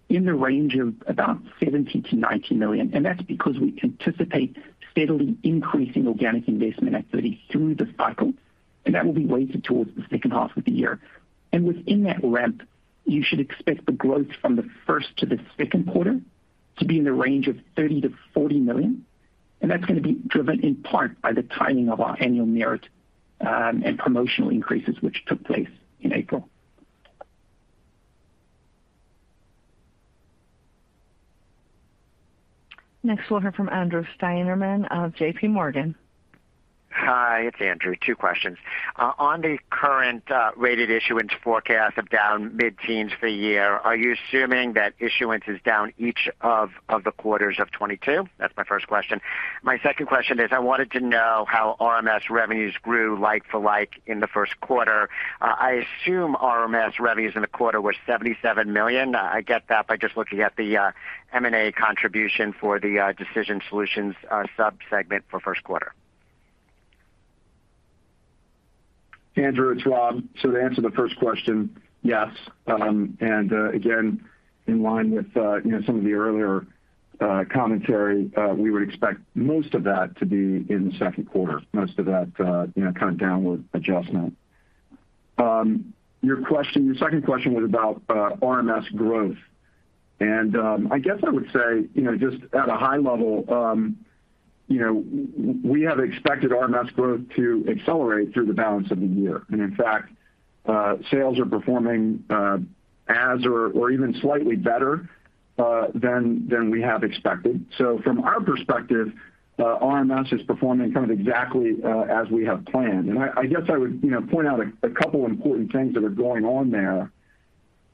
in the range of about $70 million-$90 million. That's because we anticipate steadily increasing organic investment activity through the cycle, and that will be weighted towards the second half of the year. Within that ramp, you should expect the growth from the first to the second quarter to be in the range of $30 million-$40 million, and that's going to be driven in part by the timing of our annual merit and promotional increases, which took place in April. Next, we'll hear from Andrew Steinerman of JPMorgan. Hi, it's Andrew. Two questions. On the current rated issuance forecast of down mid-teens for the year, are you assuming that issuance is down each of the quarters of 2022? That's my first question. My second question is I wanted to know how RMS revenues grew like for like in the first quarter? I assume RMS revenues in the quarter were $77 million. I get that by just looking at the M&A contribution for the Decision Solutions sub-segment for first quarter. Andrew, it's Rob. To answer the first question, yes. Again, in line with, you know, some of the earlier, commentary, we would expect most of that to be in the second quarter, most of that, you know, kind of downward adjustment. Your second question was about, RMS growth. I guess I would say, you know, just at a high level, you know, we have expected RMS growth to accelerate through the balance of the year. In fact, sales are performing, as or even slightly better, than we have expected. From our perspective, RMS is performing kind of exactly, as we have planned. I guess I would point out a couple important things that are going on there.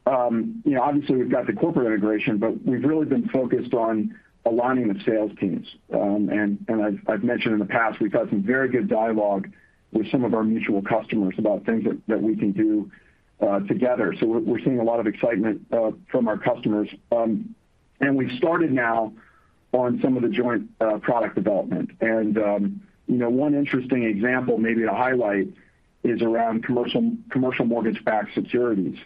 You know, obviously we've got the corporate integration, but we've really been focused on aligning the sales teams. I've mentioned in the past we've had some very good dialogue with some of our mutual customers about things that we can do together. We're seeing a lot of excitement from our customers. We've started now on some of the joint product development. You know, one interesting example maybe to highlight is around commercial mortgage-backed securities.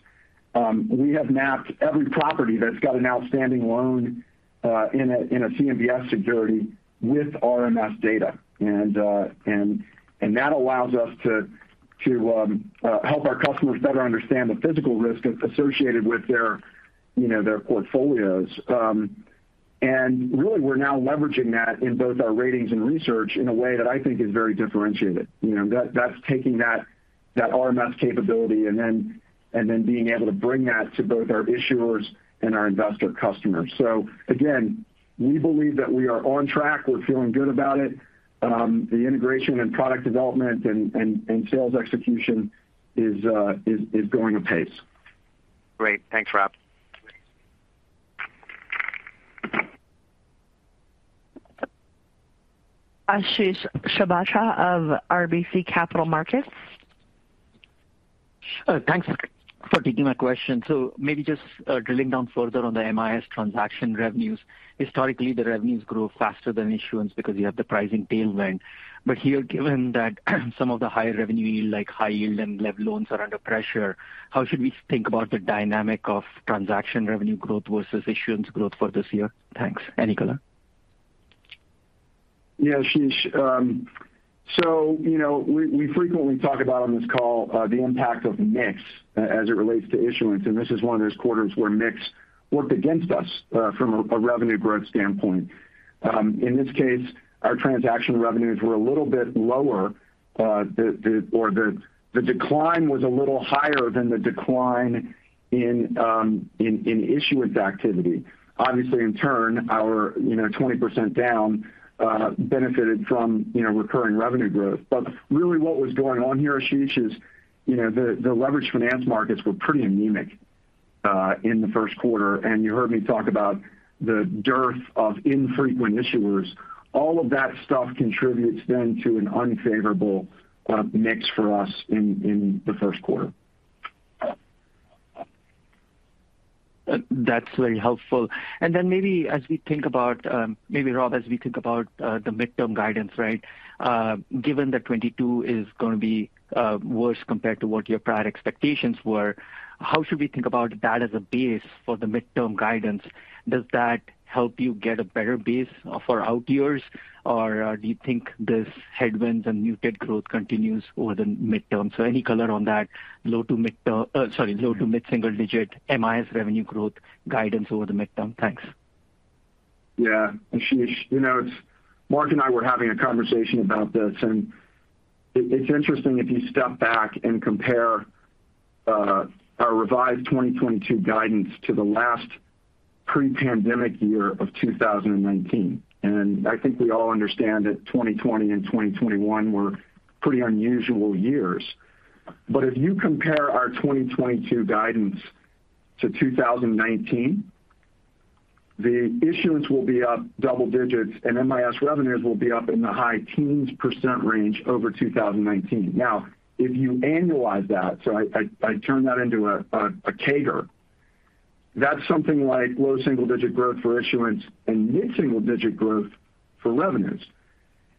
We have mapped every property that's got an outstanding loan in a CMBS security with RMS data. That allows us to help our customers better understand the physical risk associated with their portfolios. Really, we're now leveraging that in both our ratings and research in a way that I think is very differentiated. You know, that's taking that RMS capability and then being able to bring that to both our issuers and our investor customers. Again, we believe that we are on track. We're feeling good about it. The integration and product development and sales execution is going apace. Great. Thanks, Rob. Ashish Sabadra of RBC Capital Markets. Thanks for taking my question. Maybe just drilling down further on the MIS transaction revenues. Historically, the revenues grow faster than issuance because you have the pricing tailwind. Here, given that some of the higher revenue yield, like high yield and lev loans are under pressure, how should we think about the dynamic of transaction revenue growth versus issuance growth for this year? Thanks. Any color. Yeah, Ashish. So, you know, we frequently talk about on this call the impact of mix as it relates to issuance, and this is one of those quarters where mix worked against us from a revenue growth standpoint. In this case, our transaction revenues were a little bit lower. Or the decline was a little higher than the decline in issuance activity. Obviously, in turn, our 20% down benefited from recurring revenue growth. But really what was going on here, Ashish, is you know, the leveraged finance markets were pretty anemic in the first quarter. You heard me talk about the dearth of infrequent issuers. All of that stuff contributes then to an unfavorable mix for us in the first quarter. That's very helpful. Maybe Rob, as we think about the midterm guidance, right? Given that 2022 is gonna be worse compared to what your prior expectations were, how should we think about that as a base for the midterm guidance? Does that help you get a better base for out years? Or, do you think this headwinds and muted growth continues over the midterm? Any color on that low- to mid-single-digit MIS revenue growth guidance over the midterm. Thanks. Yeah. Ashish, you know, it's Mark and I were having a conversation about this, and it's interesting if you step back and compare our revised 2022 guidance to the last pre-pandemic year of 2019. I think we all understand that 2020 and 2021 were pretty unusual years. If you compare our 2022 guidance to 2019, the issuance will be up double digits and MIS revenues will be up in the high-teens percent range over 2019. Now if you annualize that, so I turn that into a CAGR. That's something like low single-digit growth for issuance and mid-single-digit growth for revenues.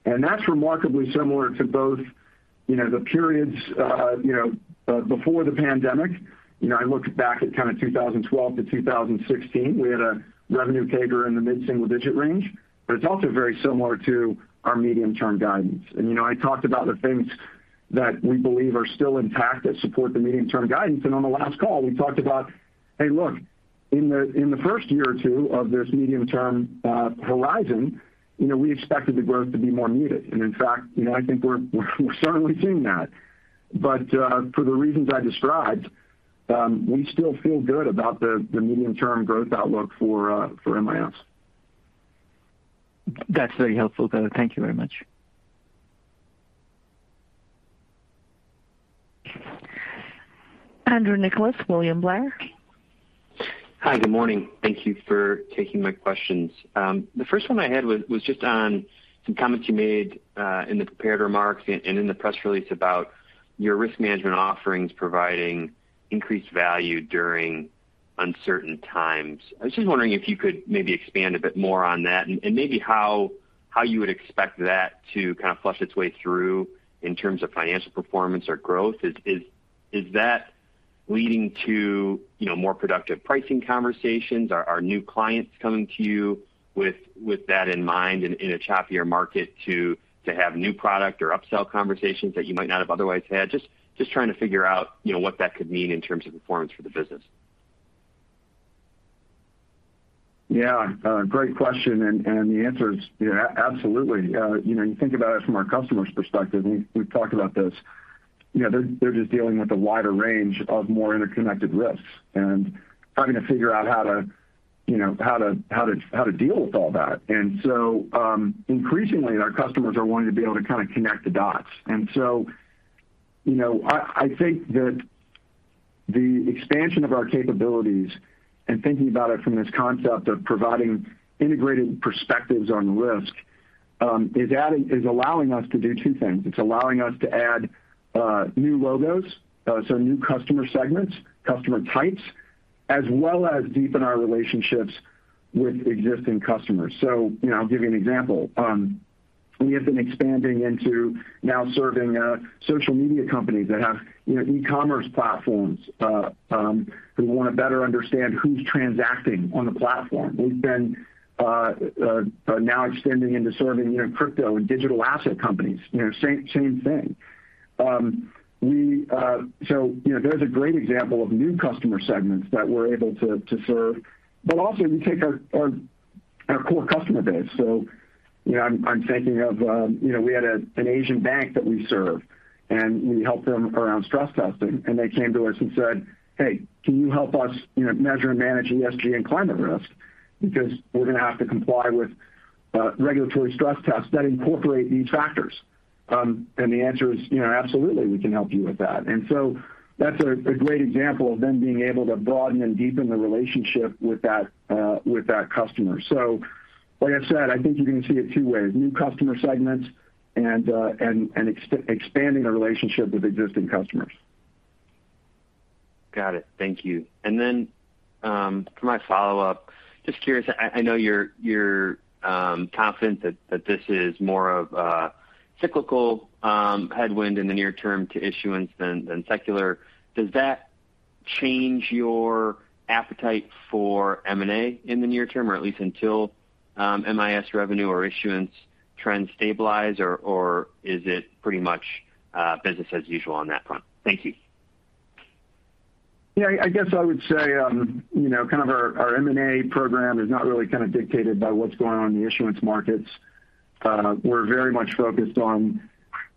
That's remarkably similar to both, you know, the periods before the pandemic. You know, I looked back at kind of 2012 to 2016. We had a revenue CAGR in the mid-single digit range, but it's also very similar to our medium-term guidance. You know, I talked about the things that we believe are still intact that support the medium-term guidance. On the last call we talked about, hey, look, in the first year or two of this medium-term horizon, you know, we expected the growth to be more muted. In fact, you know, I think we're certainly seeing that. For the reasons I described, we still feel good about the medium-term growth outlook for MIS. That's very helpful, though. Thank you very much. Andrew Nicholas, William Blair. Hi. Good morning. Thank you for taking my questions. The first one I had was just on some comments you made in the prepared remarks and in the press release about your risk management offerings providing increased value during uncertain times. I was just wondering if you could maybe expand a bit more on that and maybe how you would expect that to kind of flush its way through in terms of financial performance or growth? Is that leading to, you know, more productive pricing conversations? Are new clients coming to you with that in mind in a choppier market to have new product or upsell conversations that you might not have otherwise had? Just trying to figure out, you know, what that could mean in terms of performance for the business. Yeah, great question, and the answer is, you know, absolutely. You know, you think about it from our customer's perspective, and we've talked about this. You know, they're just dealing with a wider range of more interconnected risks and trying to figure out how to deal with all that. Increasingly our customers are wanting to be able to kind of connect the dots. You know, I think that the expansion of our capabilities and thinking about it from this concept of providing integrated perspectives on risk is allowing us to do two things. It's allowing us to add new logos, so new customer segments, customer types, as well as deepen our relationships with existing customers. You know, I'll give you an example. We have been expanding into now serving social media companies that have, you know, e-commerce platforms, who want to better understand who's transacting on the platform. We've been now extending into serving, you know, crypto and digital asset companies. You know, same thing. You know, there's a great example of new customer segments that we're able to serve. Also, we take our core customer base. You know, I'm thinking of, you know, we had an Asian bank that we serve, and we helped them around stress testing. They came to us and said, "Hey, can you help us, you know, measure and manage ESG and climate risk? Because we're gonna have to comply with regulatory stress tests that incorporate these factors. The answer is, you know, "Absolutely, we can help you with that." That's a great example of then being able to broaden and deepen the relationship with that customer. Like I said, I think you're gonna see it two ways, new customer segments and expanding the relationship with existing customers. Got it. Thank you. Then, for my follow-up, just curious, I know you're confident that this is more of a cyclical headwind in the near term to issuance than secular. Does that change your appetite for M&A in the near term, or at least until MIS revenue or issuance trends stabilize? Or is it pretty much business as usual on that front? Thank you. Yeah, I guess I would say, you know, kind of our M&A program is not really kind of dictated by what's going on in the issuance markets. We're very much focused on,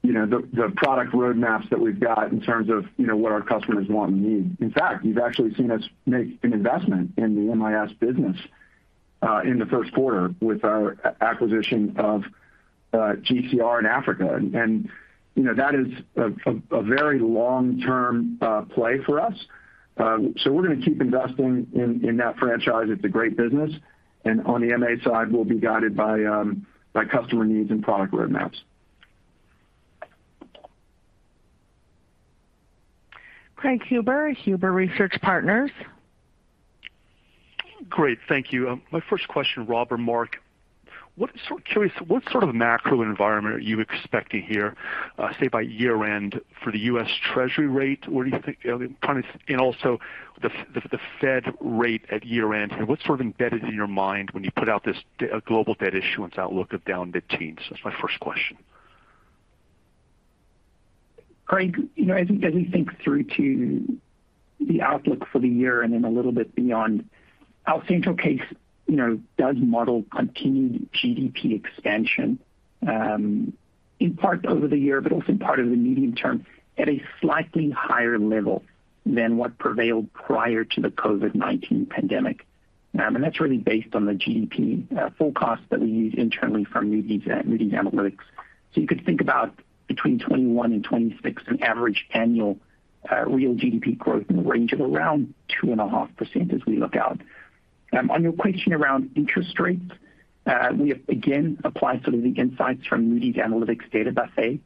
you know, the product roadmaps that we've got in terms of, you know, what our customers want and need. In fact, you've actually seen us make an investment in the MIS business in the first quarter with our acquisition of GCR in Africa. You know, that is a very long-term play for us. So we're gonna keep investing in that franchise. It's a great business. On the M&A side, we'll be guided by customer needs and product roadmaps. Craig Huber, Huber Research Partners. Great. Thank you. My first question, Rob or Mark, what sort of macro environment are you expecting here, say, by year-end for the U.S. Treasury rate? Where do you think? I mean, kind of. Also the Fed rate at year-end. What's sort of embedded in your mind when you put out this global debt issuance outlook of down mid-teens? That's my first question. Craig, you know, as we think through to the outlook for the year and then a little bit beyond, our central case, you know, does model continued GDP expansion, in part over the year, but also in part over the medium term, at a slightly higher level than what prevailed prior to the COVID-19 pandemic. That's really based on the GDP forecast that we use internally from Moody's Analytics. You could think about between 2021 and 2026, an average annual real GDP growth in the range of around 2.5% as we look out. On your question around interest rates, we have again applied sort of the insights from Moody's Analytics database,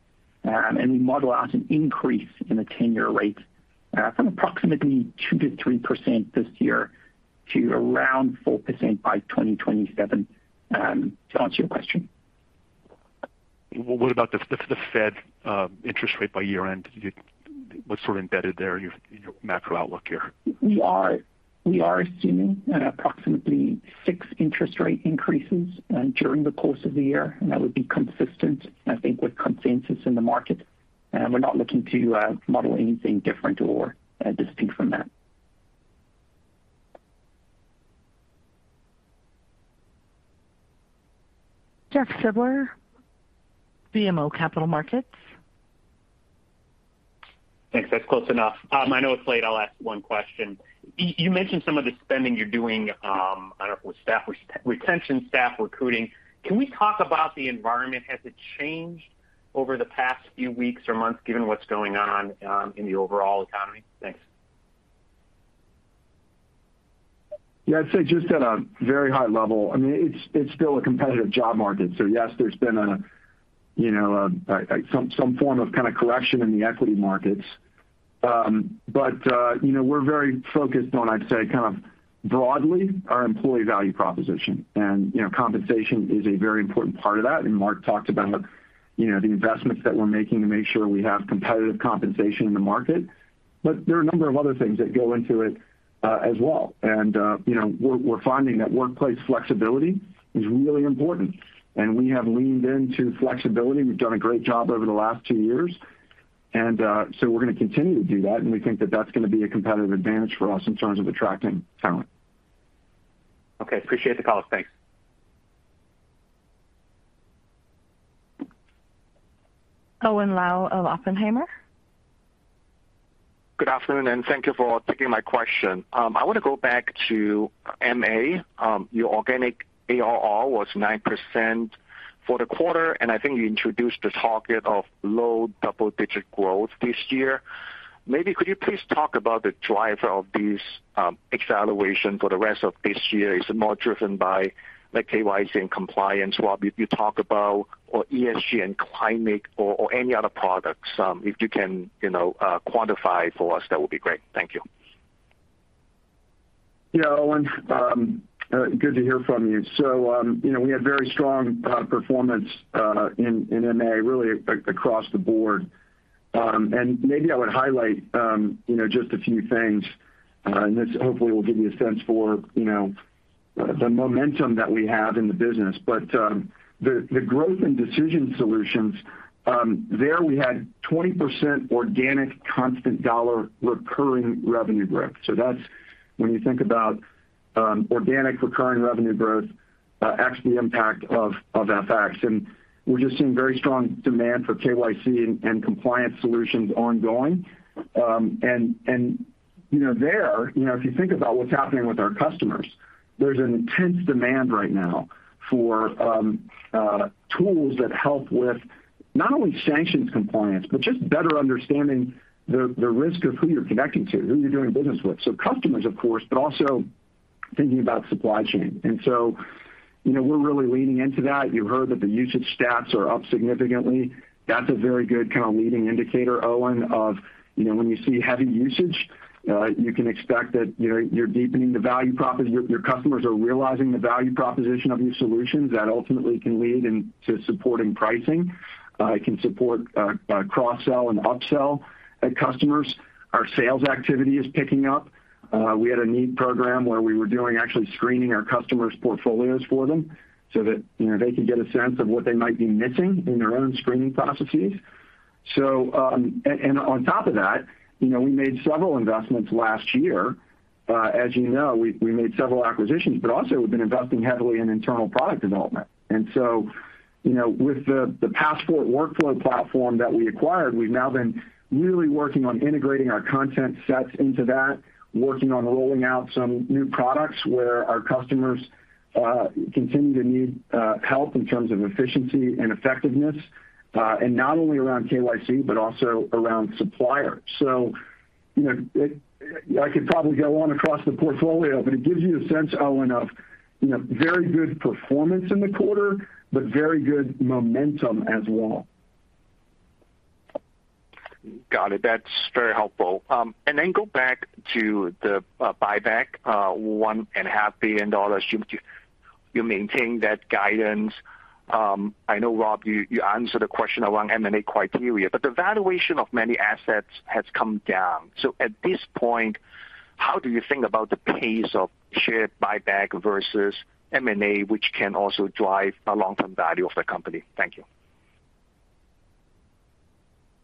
and we model out an increase in the ten-year rate, from approximately 2%-3% this year to around 4% by 2027, to answer your question. What about the Fed interest rate by year-end? What's sort of embedded there in your macro outlook here? We are assuming approximately six interest rate increases during the course of the year, and that would be consistent, I think, with consensus in the market. We're not looking to model anything different or distinct from that. Jeff Silber, BMO Capital Markets. Thanks. That's close enough. I know it's late. I'll ask one question. You mentioned some of the spending you're doing, I don't know, with staff retention, staff recruiting. Can we talk about the environment? Has it changed over the past few weeks or months given what's going on, in the overall economy? Thanks. Yeah. I'd say just at a very high level. I mean, it's still a competitive job market. Yes, there's been you know, some form of kinda correction in the equity markets. You know, we're very focused on, I'd say, kind of broadly our employee value proposition. You know, compensation is a very important part of that. Mark talked about, you know, the investments that we're making to make sure we have competitive compensation in the market. There are a number of other things that go into it, as well. You know, we're finding that workplace flexibility is really important, and we have leaned into flexibility. We've done a great job over the last two years, and so we're gonna continue to do that, and we think that that's gonna be a competitive advantage for us in terms of attracting talent. Okay. Appreciate the call. Thanks. Owen Lau of Oppenheimer. Good afternoon, and thank you for taking my question. I wanna go back to MA. Your organic ARR was 9% for the quarter, and I think you introduced a target of low double-digit growth this year. Maybe could you please talk about the driver of this acceleration for the rest of this year? Is it more driven by the KYC and compliance, Rob, if you talk about or ESG and climate or any other products? If you can, you know, quantify for us, that would be great. Thank you. Yeah, Owen. Good to hear from you. You know, we had very strong performance in MA really across the board. Maybe I would highlight you know, just a few things, and this hopefully will give you a sense for you know, the momentum that we have in the business. The growth in Decision Solutions, there we had 20% organic constant dollar recurring revenue growth. That's when you think about organic recurring revenue growth ex the impact of FX. We're just seeing very strong demand for KYC and compliance solutions ongoing. You know, if you think about what's happening with our customers, there's an intense demand right now for tools that help with not only sanctions compliance, but just better understanding the risk of who you're connecting to, who you're doing business with. Customers of course, but also thinking about supply chain. You know, we're really leaning into that. You heard that the usage stats are up significantly. That's a very good kind of leading indicator, Owen, of, you know, when you see heavy usage, you can expect that, you know, your customers are realizing the value proposition of your solutions that ultimately can lead into supporting pricing, can support cross-sell and upsell at customers. Our sales activity is picking up. We had a new program where we were doing actually screening our customers' portfolios for them so that, you know, they could get a sense of what they might be missing in their own screening processes. On top of that, you know, we made several investments last year. As you know, we made several acquisitions, but also we've been investing heavily in internal product development. You know, with the PassFort workflow platform that we acquired, we've now been really working on integrating our content sets into that, working on rolling out some new products where our customers continue to need help in terms of efficiency and effectiveness, and not only around KYC, but also around supplier. You know, it. I could probably go on across the portfolio, but it gives you a sense, Owen, of, you know, very good performance in the quarter, but very good momentum as well. Got it. That's very helpful. Go back to the buyback, $1.5 billion. You maintain that guidance. I know, Rob, you answered the question around M&A criteria, but the valuation of many assets has come down. At this point, how do you think about the pace of share buyback versus M&A, which can also drive long-term value of the company? Thank you.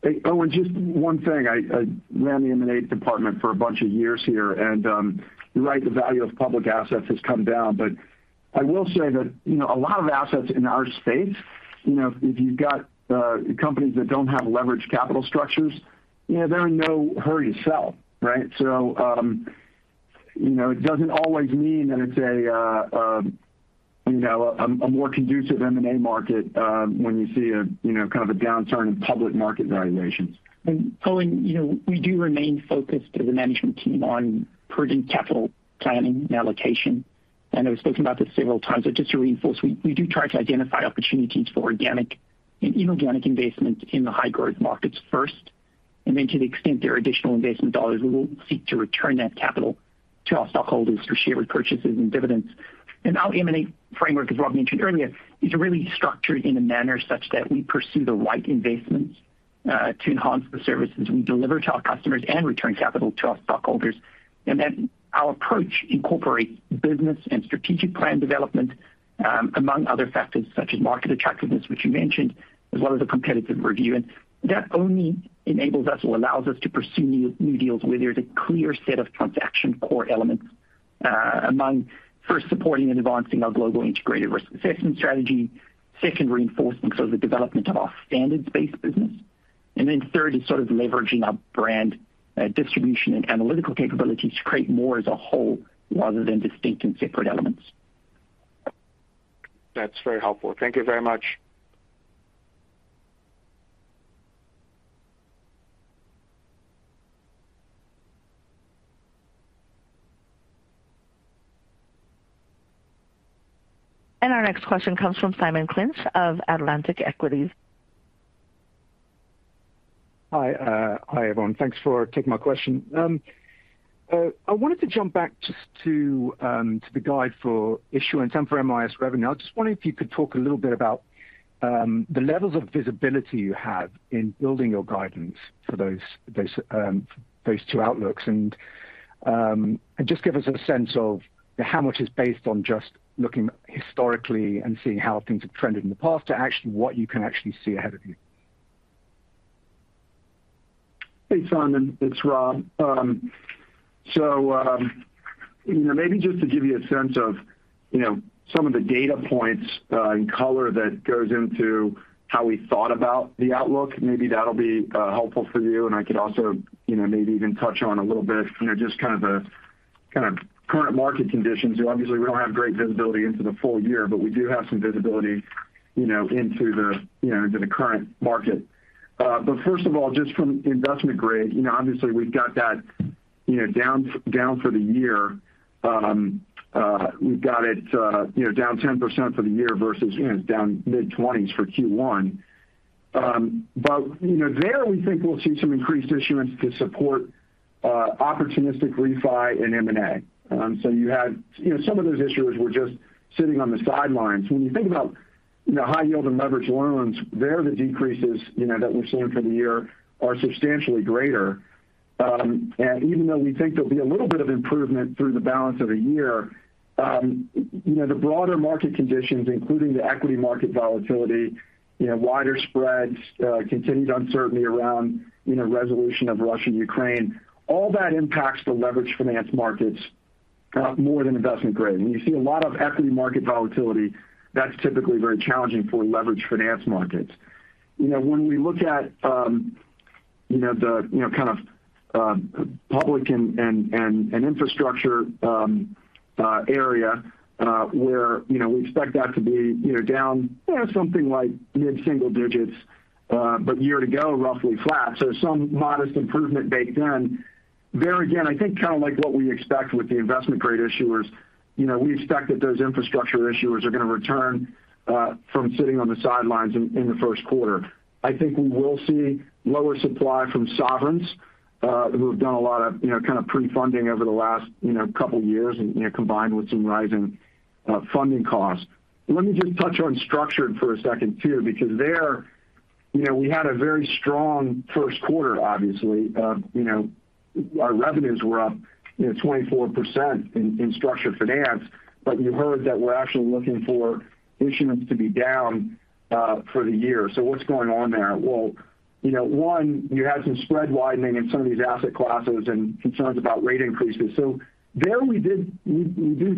Hey, Owen, just one thing. I ran the M&A department for a bunch of years here, and you're right, the value of public assets has come down. I will say that, you know, a lot of assets in our space, you know, if you've got companies that don't have leverage capital structures, you know, they're in no hurry to sell, right? You know, it doesn't always mean that it's a more conducive M&A market when you see a kind of a downturn in public market valuations. Owen, you know, we do remain focused as a management team on prudent capital planning and allocation, and I've spoken about this several times, so just to reinforce, we do try to identify opportunities for organic and inorganic investments in the high growth markets first. To the extent there are additional investment dollars, we will seek to return that capital to our stockholders through share repurchases and dividends. Our M&A framework, as Rob mentioned earlier, is really structured in a manner such that we pursue the right investments to enhance the services we deliver to our customers and return capital to our stockholders. Our approach incorporates business and strategic plan development among other factors such as market attractiveness, which you mentioned, as well as a competitive review. That only enables us or allows us to pursue new deals where there's a clear set of transaction core elements, among first supporting and advancing our global integrated risk assessment strategy. Second, reinforcement of the development of our standards-based business. Third is sort of leveraging our brand, distribution and analytical capabilities to create more as a whole rather than distinct and separate elements. That's very helpful. Thank you very much. Our next question comes from Simon Clinch of Atlantic Equities. Hi, everyone. Thanks for taking my question. I wanted to jump back just to the guide for issuance and for MIS revenue. I just wonder if you could talk a little bit about the levels of visibility you have in building your guidance for those two outlooks. Just give us a sense of how much is based on just looking historically and seeing how things have trended in the past to actually what you can actually see ahead of you. Hey, Simon, it's Rob Fauber. You know, maybe just to give you a sense of, you know, some of the data points and color that goes into how we thought about the outlook. Maybe that'll be helpful for you. I could also, you know, maybe even touch on a little bit, you know, just kind of the current market conditions. Obviously, we don't have great visibility into the full year, but we do have some visibility, you know, into the current market. First of all, just from investment grade, you know, obviously we've got that, you know, down for the year. We've got it, you know, down 10% for the year versus, you know, down mid-20s% for Q1. You know, there we think we'll see some increased issuance to support opportunistic refi and M&A. You know, some of those issuers were just sitting on the sidelines. When you think about, you know, high yield and leveraged loans, there, the decreases, you know, that we're seeing for the year are substantially greater. Even though we think there'll be a little bit of improvement through the balance of the year, you know, the broader market conditions, including the equity market volatility, you know, wider spreads, continued uncertainty around, you know, resolution of Russia and Ukraine, all that impacts the leveraged finance markets more than investment grade. When you see a lot of equity market volatility, that's typically very challenging for leveraged finance markets. You know, when we look at the kind of public and infrastructure area, where we expect that to be down something like mid-single digits, but year to go roughly flat. Some modest improvement baked in. There again, I think kind of like what we expect with the investment grade issuers. You know, we expect that those infrastructure issuers are going to return from sitting on the sidelines in the first quarter. I think we will see lower supply from sovereigns, who have done a lot of kind of pre-funding over the last couple years and combined with some rising funding costs. Let me just touch on structured for a second too, because there, you know, we had a very strong first quarter, obviously. You know, our revenues were up, you know, 24% in structured finance, but you heard that we're actually looking for issuance to be down for the year. What's going on there? Well, you know, one, you had some spread widening in some of these asset classes and concerns about rate increases. There we do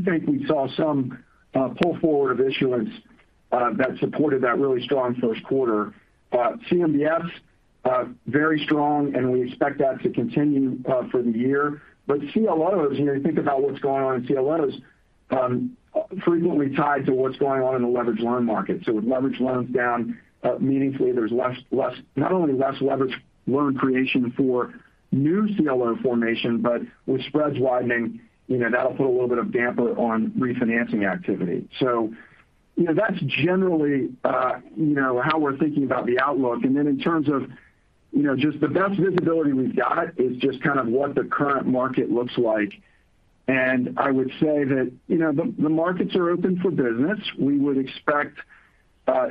think we saw some pull forward of issuance that supported that really strong first quarter. CMBS, very strong and we expect that to continue for the year. CLOs, you know, you think about what's going on in CLOs, frequently tied to what's going on in the leveraged loan market. With leveraged loans down meaningfully, there's less not only leveraged loan creation for new CLO formation, but with spreads widening, you know, that'll put a little bit of damper on refinancing activity. You know, that's generally how we're thinking about the outlook. In terms of just the best visibility we've got is just kind of what the current market looks like. I would say that, you know, the markets are open for business. We would expect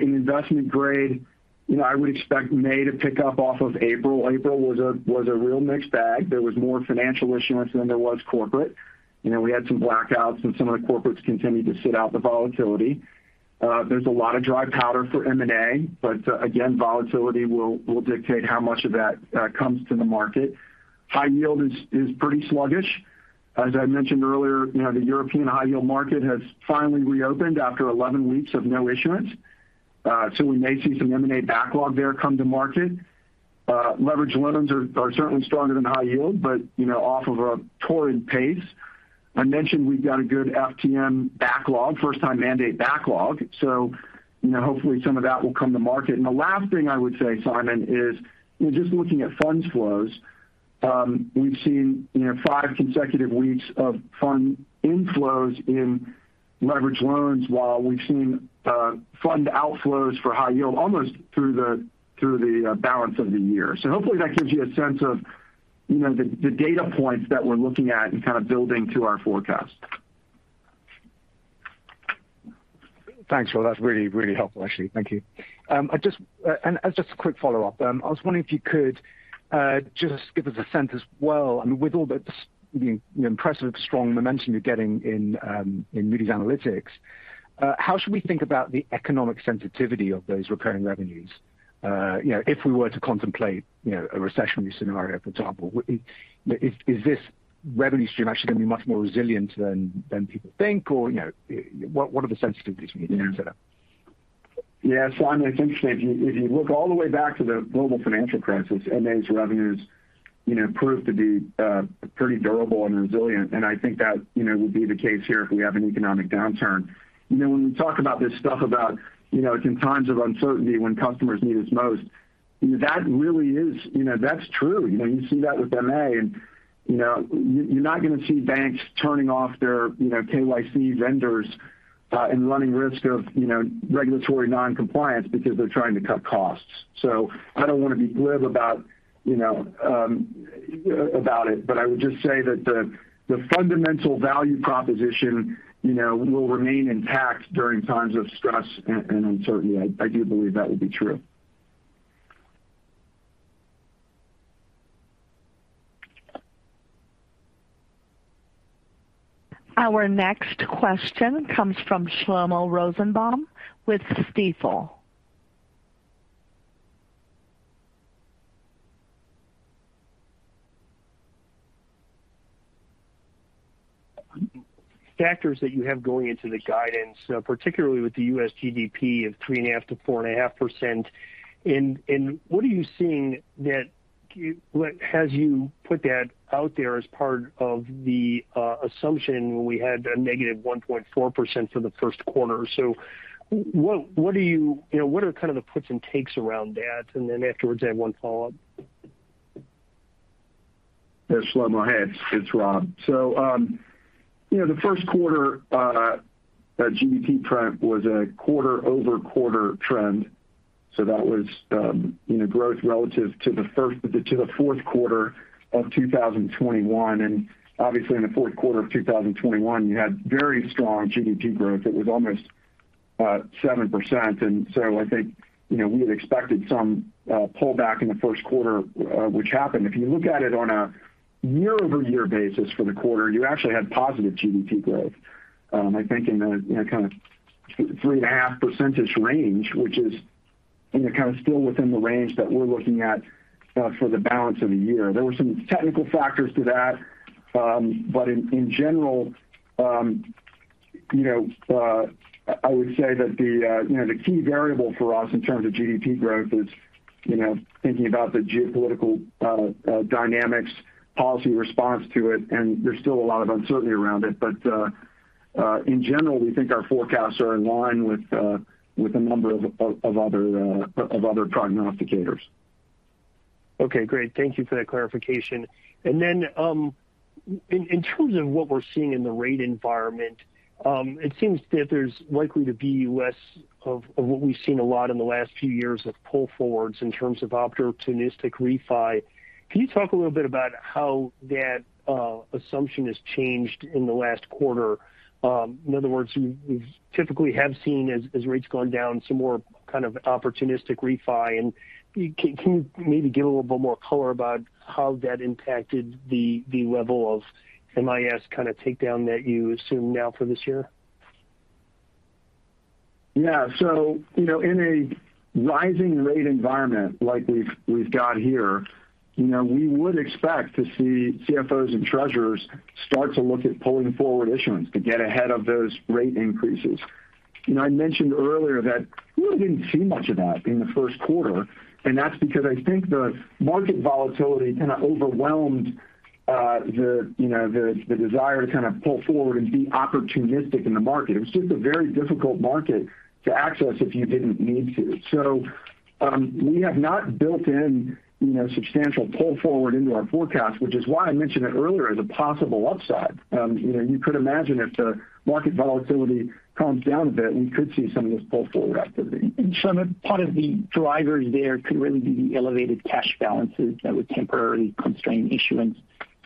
in investment grade, you know, I would expect May to pick up off of April. April was a real mixed bag. There was more financial issuance than there was corporate. You know, we had some blackouts and some of the corporates continued to sit out the volatility. There's a lot of dry powder for M&A, but again, volatility will dictate how much of that comes to the market. High yield is pretty sluggish. As I mentioned earlier, you know, the European high yield market has finally reopened after 11 weeks of no issuance. So we may see some M&A backlog there come to market. Leverage loans are certainly stronger than high yield, but, you know, off of a torrid pace. I mentioned we've got a good FTM backlog, first time mandate backlog. So, you know, hopefully some of that will come to market. The last thing I would say, Simon, is just looking at fund flows, we've seen, you know, five consecutive weeks of fund inflows in leverage loans while we've seen fund outflows for high yield almost through the balance of the year. Hopefully that gives you a sense of, you know, the data points that we're looking at and kind of building to our forecast. Thanks, Rob. That's really helpful, actually. Thank you. Just as a quick follow-up, I was wondering if you could just give us a sense as well. I mean, with all the you know, impressive strong momentum you're getting in in Moody's Analytics, how should we think about the economic sensitivity of those recurring revenues? You know, if we were to contemplate you know, a recessionary scenario, for example. Is this revenue stream actually going to be much more resilient than people think? Or you know, what are the sensitivities we need to consider? Yeah. I mean, it's interesting. If you look all the way back to the global financial crisis, MA's revenues, you know, proved to be pretty durable and resilient. I think that, you know, would be the case here if we have an economic downturn. You know, when we talk about this stuff about, you know, it's in times of uncertainty when customers need us most, that really is. You know, that's true. You know, you see that with MA and, you know, you're not going to see banks turning off their, you know, KYC vendors and running risk of regulatory non-compliance because they're trying to cut costs. I don't want to be glib about, you know, about it, but I would just say that the fundamental value proposition, you know, will remain intact during times of stress and uncertainty. I do believe that will be true. Our next question comes from Shlomo Rosenbaum with Stifel. Factors that you have going into the guidance, particularly with the U.S. GDP of 3.5%-4.5%. What are you seeing that has you put that out there as part of the assumption when we had a -1.4% for the first quarter? You know, what are kind of the puts and takes around that? Afterwards, I have one follow-up. Yeah. Shlomo, hey, it's Rob. You know, the first quarter GDP trend was a quarter-over-quarter trend. That was growth relative to the fourth quarter of 2021. Obviously, in the fourth quarter of 2021, you had very strong GDP growth. It was almost 7%. I think, you know, we had expected some pullback in the first quarter, which happened. If you look at it on a year-over-year basis for the quarter, you actually had positive GDP growth. I think in a kind of 3.5% range, which is, you know, kind of still within the range that we're looking at for the balance of the year. There were some technical factors to that. In general, you know, I would say that the key variable for us in terms of GDP growth is, you know, thinking about the geopolitical dynamics policy response to it, and there's still a lot of uncertainty around it. In general, we think our forecasts are in line with a number of other prognosticators. Okay, great. Thank you for that clarification. In terms of what we're seeing in the rate environment, it seems that there's likely to be less of what we've seen a lot in the last few years of pull forwards in terms of opportunistic refi. Can you talk a little bit about how that assumption has changed in the last quarter? In other words, we typically have seen as rates gone down, some more kind of opportunistic refi. Can you maybe give a little bit more color about how that impacted the level of MIS kind of take down that you assume now for this year? Yeah. You know, in a rising rate environment like we've got here, you know, we would expect to see CFOs and treasurers start to look at pulling forward issuance to get ahead of those rate increases. You know, I mentioned earlier that we really didn't see much of that in the first quarter, and that's because I think the market volatility kind of overwhelmed the, you know, the desire to kind of pull forward and be opportunistic in the market. It was just a very difficult market to access if you didn't need to. We have not built in, you know, substantial pull forward into our forecast, which is why I mentioned it earlier as a possible upside. You know, you could imagine if the market volatility calms down a bit, we could see some of this pull forward activity. Part of the drivers there could really be the elevated cash balances that would temporarily constrain issuance.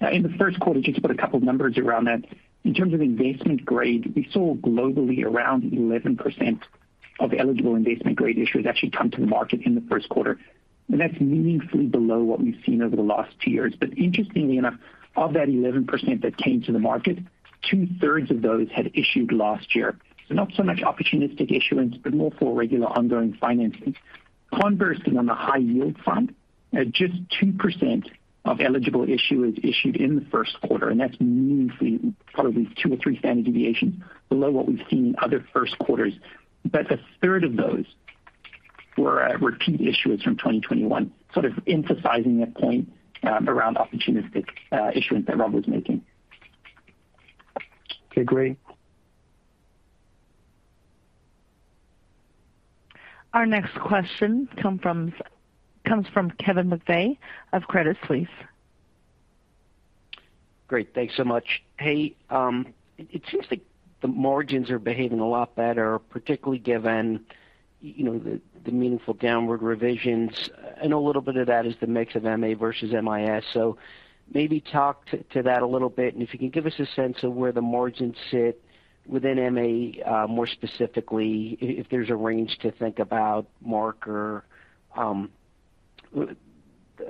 In the first quarter, just to put a couple numbers around that. In terms of investment grade, we saw globally around 11% of eligible investment grade issuers actually come to the market in the first quarter. That's meaningfully below what we've seen over the last two years. Interestingly enough, of that 11% that came to the market, two-thirds of those had issued last year. Not so much opportunistic issuance, but more for regular ongoing financings. Conversely, on the high yield front, just 2% of eligible issuers issued in the first quarter, and that's meaningfully, probably two or three standard deviations below what we've seen in other first quarters. A third of those were repeat issuers from 2021, sort of emphasizing a point around opportunistic issuance that Rob was making. Okay, great. Our next question comes from Kevin McVeigh of Credit Suisse. Great. Thanks so much. Hey, it seems like the margins are behaving a lot better, particularly given you know the meaningful downward revisions. I know a little bit of that is the mix of MA versus MIS. Maybe talk to that a little bit, and if you can give us a sense of where the margins sit within MA, more specifically, if there's a range to think about, Mark. I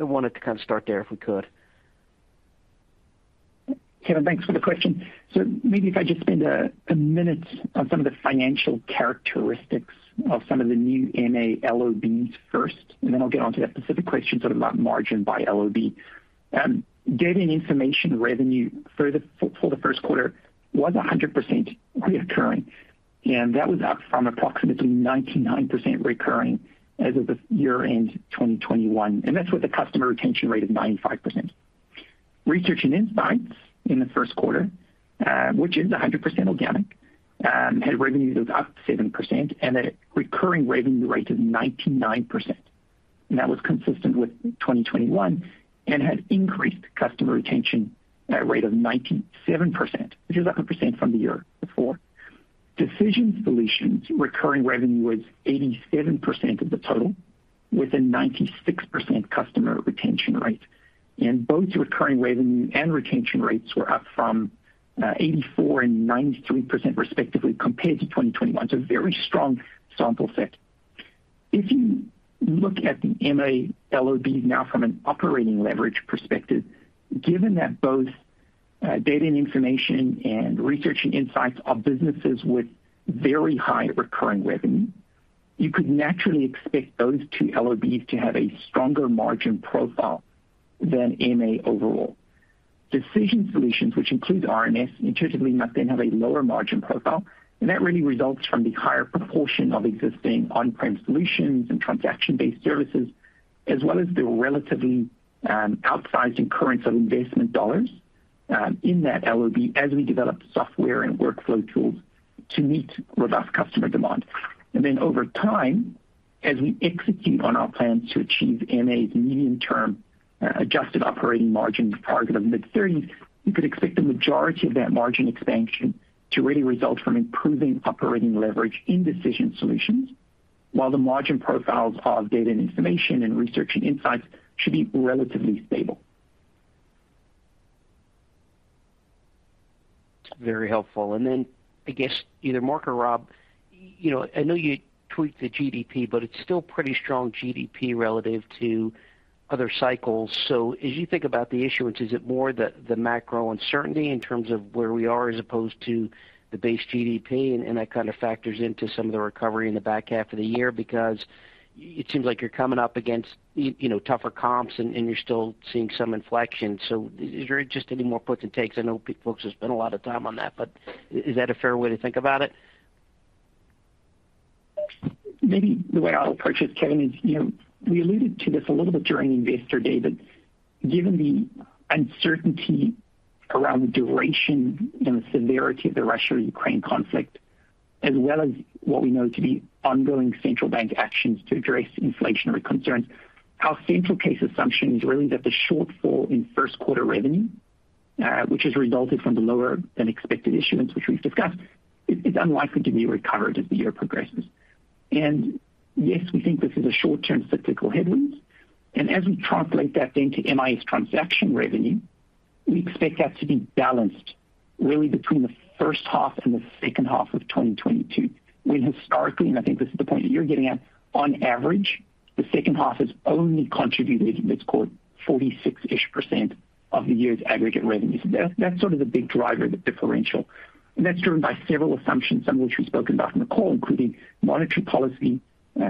wanted to kind of start there, if we could. Kevin, thanks for the question. Maybe if I just spend a minute on some of the financial characteristics of some of the new MA LOBs first, and then I'll get onto that specific question sort of about margin by LOB. Data & Information revenue for the first quarter was 100% recurring, and that was up from approximately 99% recurring as of the year-end 2021. That was with a customer retention rate of 95%. Research & Insights in the first quarter, which is 100% organic, had revenues up 7% and a recurring revenue rate of 99%. That was consistent with 2021 and had increased customer retention at a rate of 97%, which is 100% from the year before. Decision Solutions recurring revenue was 87% of the total, with a 96% customer retention rate. Both recurring revenue and retention rates were up from 84% and 93% respectively compared to 2021. A very strong sample set. If you look at the MA LOB now from an operating leverage perspective, given that both data and information and research and insights are businesses with very high recurring revenue, you could naturally expect those two LOBs to have a stronger margin profile than MA overall. Decision Solutions, which includes RMS, intuitively must then have a lower margin profile, and that really results from the higher proportion of existing on-prem solutions and transaction-based services, as well as the relatively outsized expenditure of investment dollars in that LOB as we develop software and workflow tools to meet robust customer demand. Over time, as we execute on our plans to achieve MA's medium-term adjusted operating margin target of mid-30s, you could expect the majority of that margin expansion to really result from improving operating leverage in Decision Solutions, while the margin profiles of Data and Information and Research and Insights should be relatively stable. Very helpful. I guess either Mark or Rob, you know, I know you tweaked the GDP, but it's still pretty strong GDP relative to other cycles. As you think about the issuance, is it more the macro uncertainty in terms of where we are as opposed to the base GDP, and that kind of factors into some of the recovery in the back half of the year? Because it seems like you're coming up against, you know, tougher comps and you're still seeing some inflection. Is there just any more puts and takes? I know folks have spent a lot of time on that, but is that a fair way to think about it? Maybe the way I'll approach this, Kevin, is, you know, we alluded to this a little bit during Investor Day, but given the uncertainty around the duration and the severity of the Russia-Ukraine conflict, as well as what we know to be ongoing central bank actions to address inflationary concerns, our central case assumption is really that the shortfall in first quarter revenue, which has resulted from the lower than expected issuance which we've discussed, is unlikely to be recovered as the year progresses. Yes, we think this is a short-term cyclical headwind. As we translate that then to MIS transaction revenue, we expect that to be balanced really between the first half and the second half of 2022, when historically, and I think this is the point that you're getting at, on average, the second half has only contributed, let's call it 46-ish percent of the year's aggregate revenues. That's sort of the big driver, the differential. That's driven by several assumptions, some of which we've spoken about in the call, including monetary policy,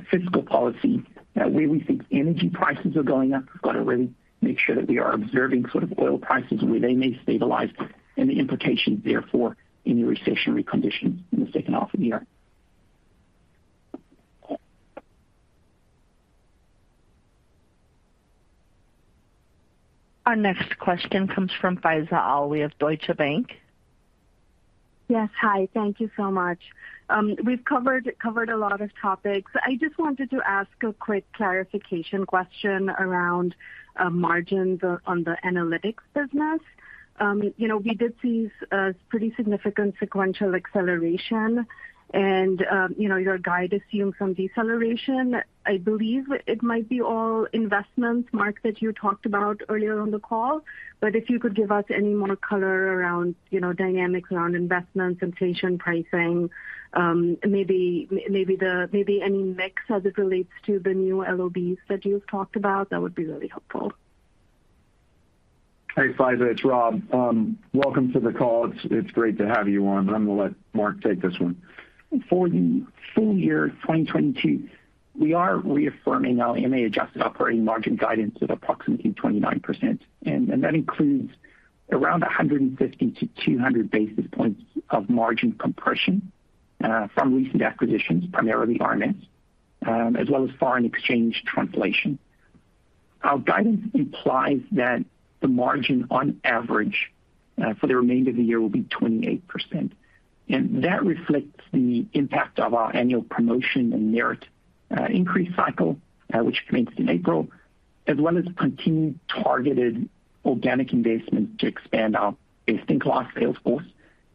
fiscal policy, where we think energy prices are going up. We've got to really make sure that we are observing sort of oil prices and where they may stabilize and the implications therefore any recessionary conditions in the second half of the year. Our next question comes from Faiza Alwy of Deutsche Bank. Yes. Hi. Thank you so much. We've covered a lot of topics. I just wanted to ask a quick clarification question around margins on the analytics business. You know, we did see a pretty significant sequential acceleration and you know, your guide assumes some deceleration. I believe it might be all investments, Mark, that you talked about earlier on the call. But if you could give us any more color around you know, dynamics around investments and subscription pricing, maybe any mix as it relates to the new LOBs that you've talked about, that would be really helpful. Hey, Faiza, it's Rob. Welcome to the call. It's great to have you on, but I'm gonna let Mark take this one. For the full-year 2022, we are reaffirming our MA adjusted operating margin guidance of approximately 29%. That includes around 150-200 basis points of margin compression from recent acquisitions, primarily RMS, as well as foreign exchange translation. Our guidance implies that the margin on average for the remainder of the year will be 28%, and that reflects the impact of our annual promotion and merit increase cycle, which commenced in April, as well as continued targeted organic investment to expand our existing class sales force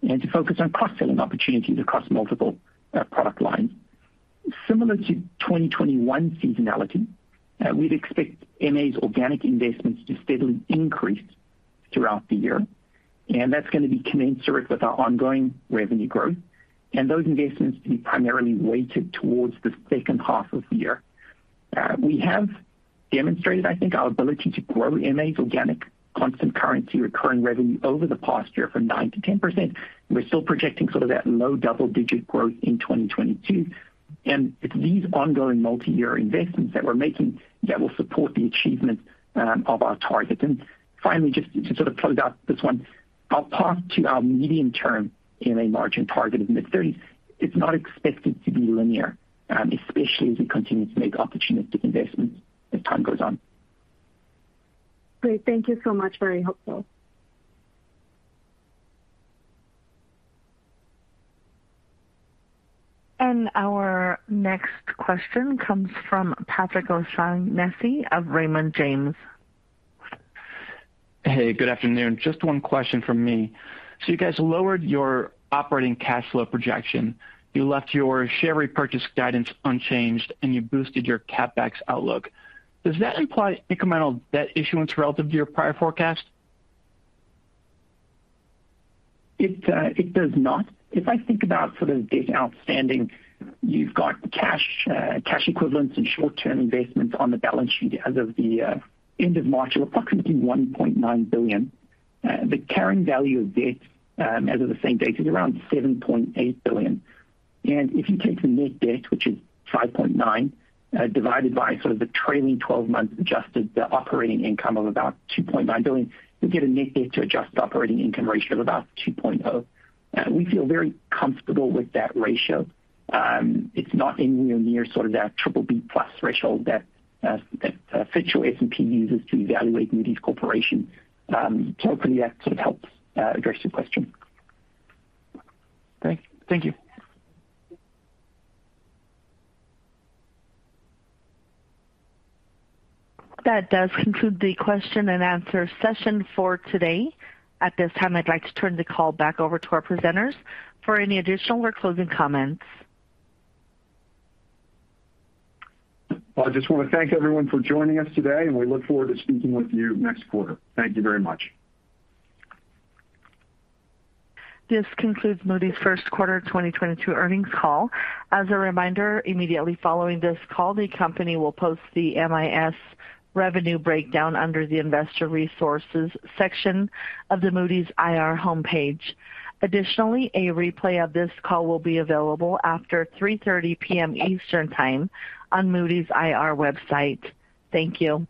and to focus on cross-selling opportunities across multiple product lines. Similar to 2021 seasonality, we'd expect MA's organic investments to steadily increase throughout the year, and that's gonna be commensurate with our ongoing revenue growth and those investments to be primarily weighted towards the second half of the year. We have demonstrated, I think, our ability to grow MA's organic constant currency recurring revenue over the past year from 9%-10%. We're still projecting sort of that low double-digit growth in 2022. It's these ongoing multi-year investments that we're making that will support the achievement of our targets. Finally, just to sort of close out this one, I'll talk to our medium-term MA margin target of mid-30s. It's not expected to be linear, especially as we continue to make opportunistic investments as time goes on. Great. Thank you so much. Very helpful. Our next question comes from Patrick O'Shaughnessy of Raymond James. Hey, good afternoon. Just one question from me. You guys lowered your operating cash flow projection, you left your share repurchase guidance unchanged, and you boosted your CapEx outlook. Does that imply incremental debt issuance relative to your prior forecast? It does not. If I think about sort of debt outstanding, you've got cash equivalents and short-term investments on the balance sheet as of the end of March of approximately $1.9 billion. The carrying value of debt, as of the same date is around $7.8 billion. If you take the net debt, which is $5.9 billion, divided by sort of the trailing-twelve-month adjusted operating income of about $2.9 billion, you get a net debt to adjusted operating income ratio of about 2.0. We feel very comfortable with that ratio. It's not anywhere near sort of that BBB+ threshold that Fitch or S&P uses to evaluate Moody's Corporation. Hopefully, that sort of helps address your question. Thank you. That does conclude the question-and-answer session for today. At this time, I'd like to turn the call back over to our presenters for any additional or closing comments. I just wanna thank everyone for joining us today, and we look forward to speaking with you next quarter. Thank you very much. This concludes Moody's first quarter 2022 earnings call. As a reminder, immediately following this call, the company will post the MIS revenue breakdown under the Investor Resources section of the Moody's IR homepage. Additionally, a replay of this call will be available after 3:30 P.M. Eastern Time on Moody's IR website. Thank you.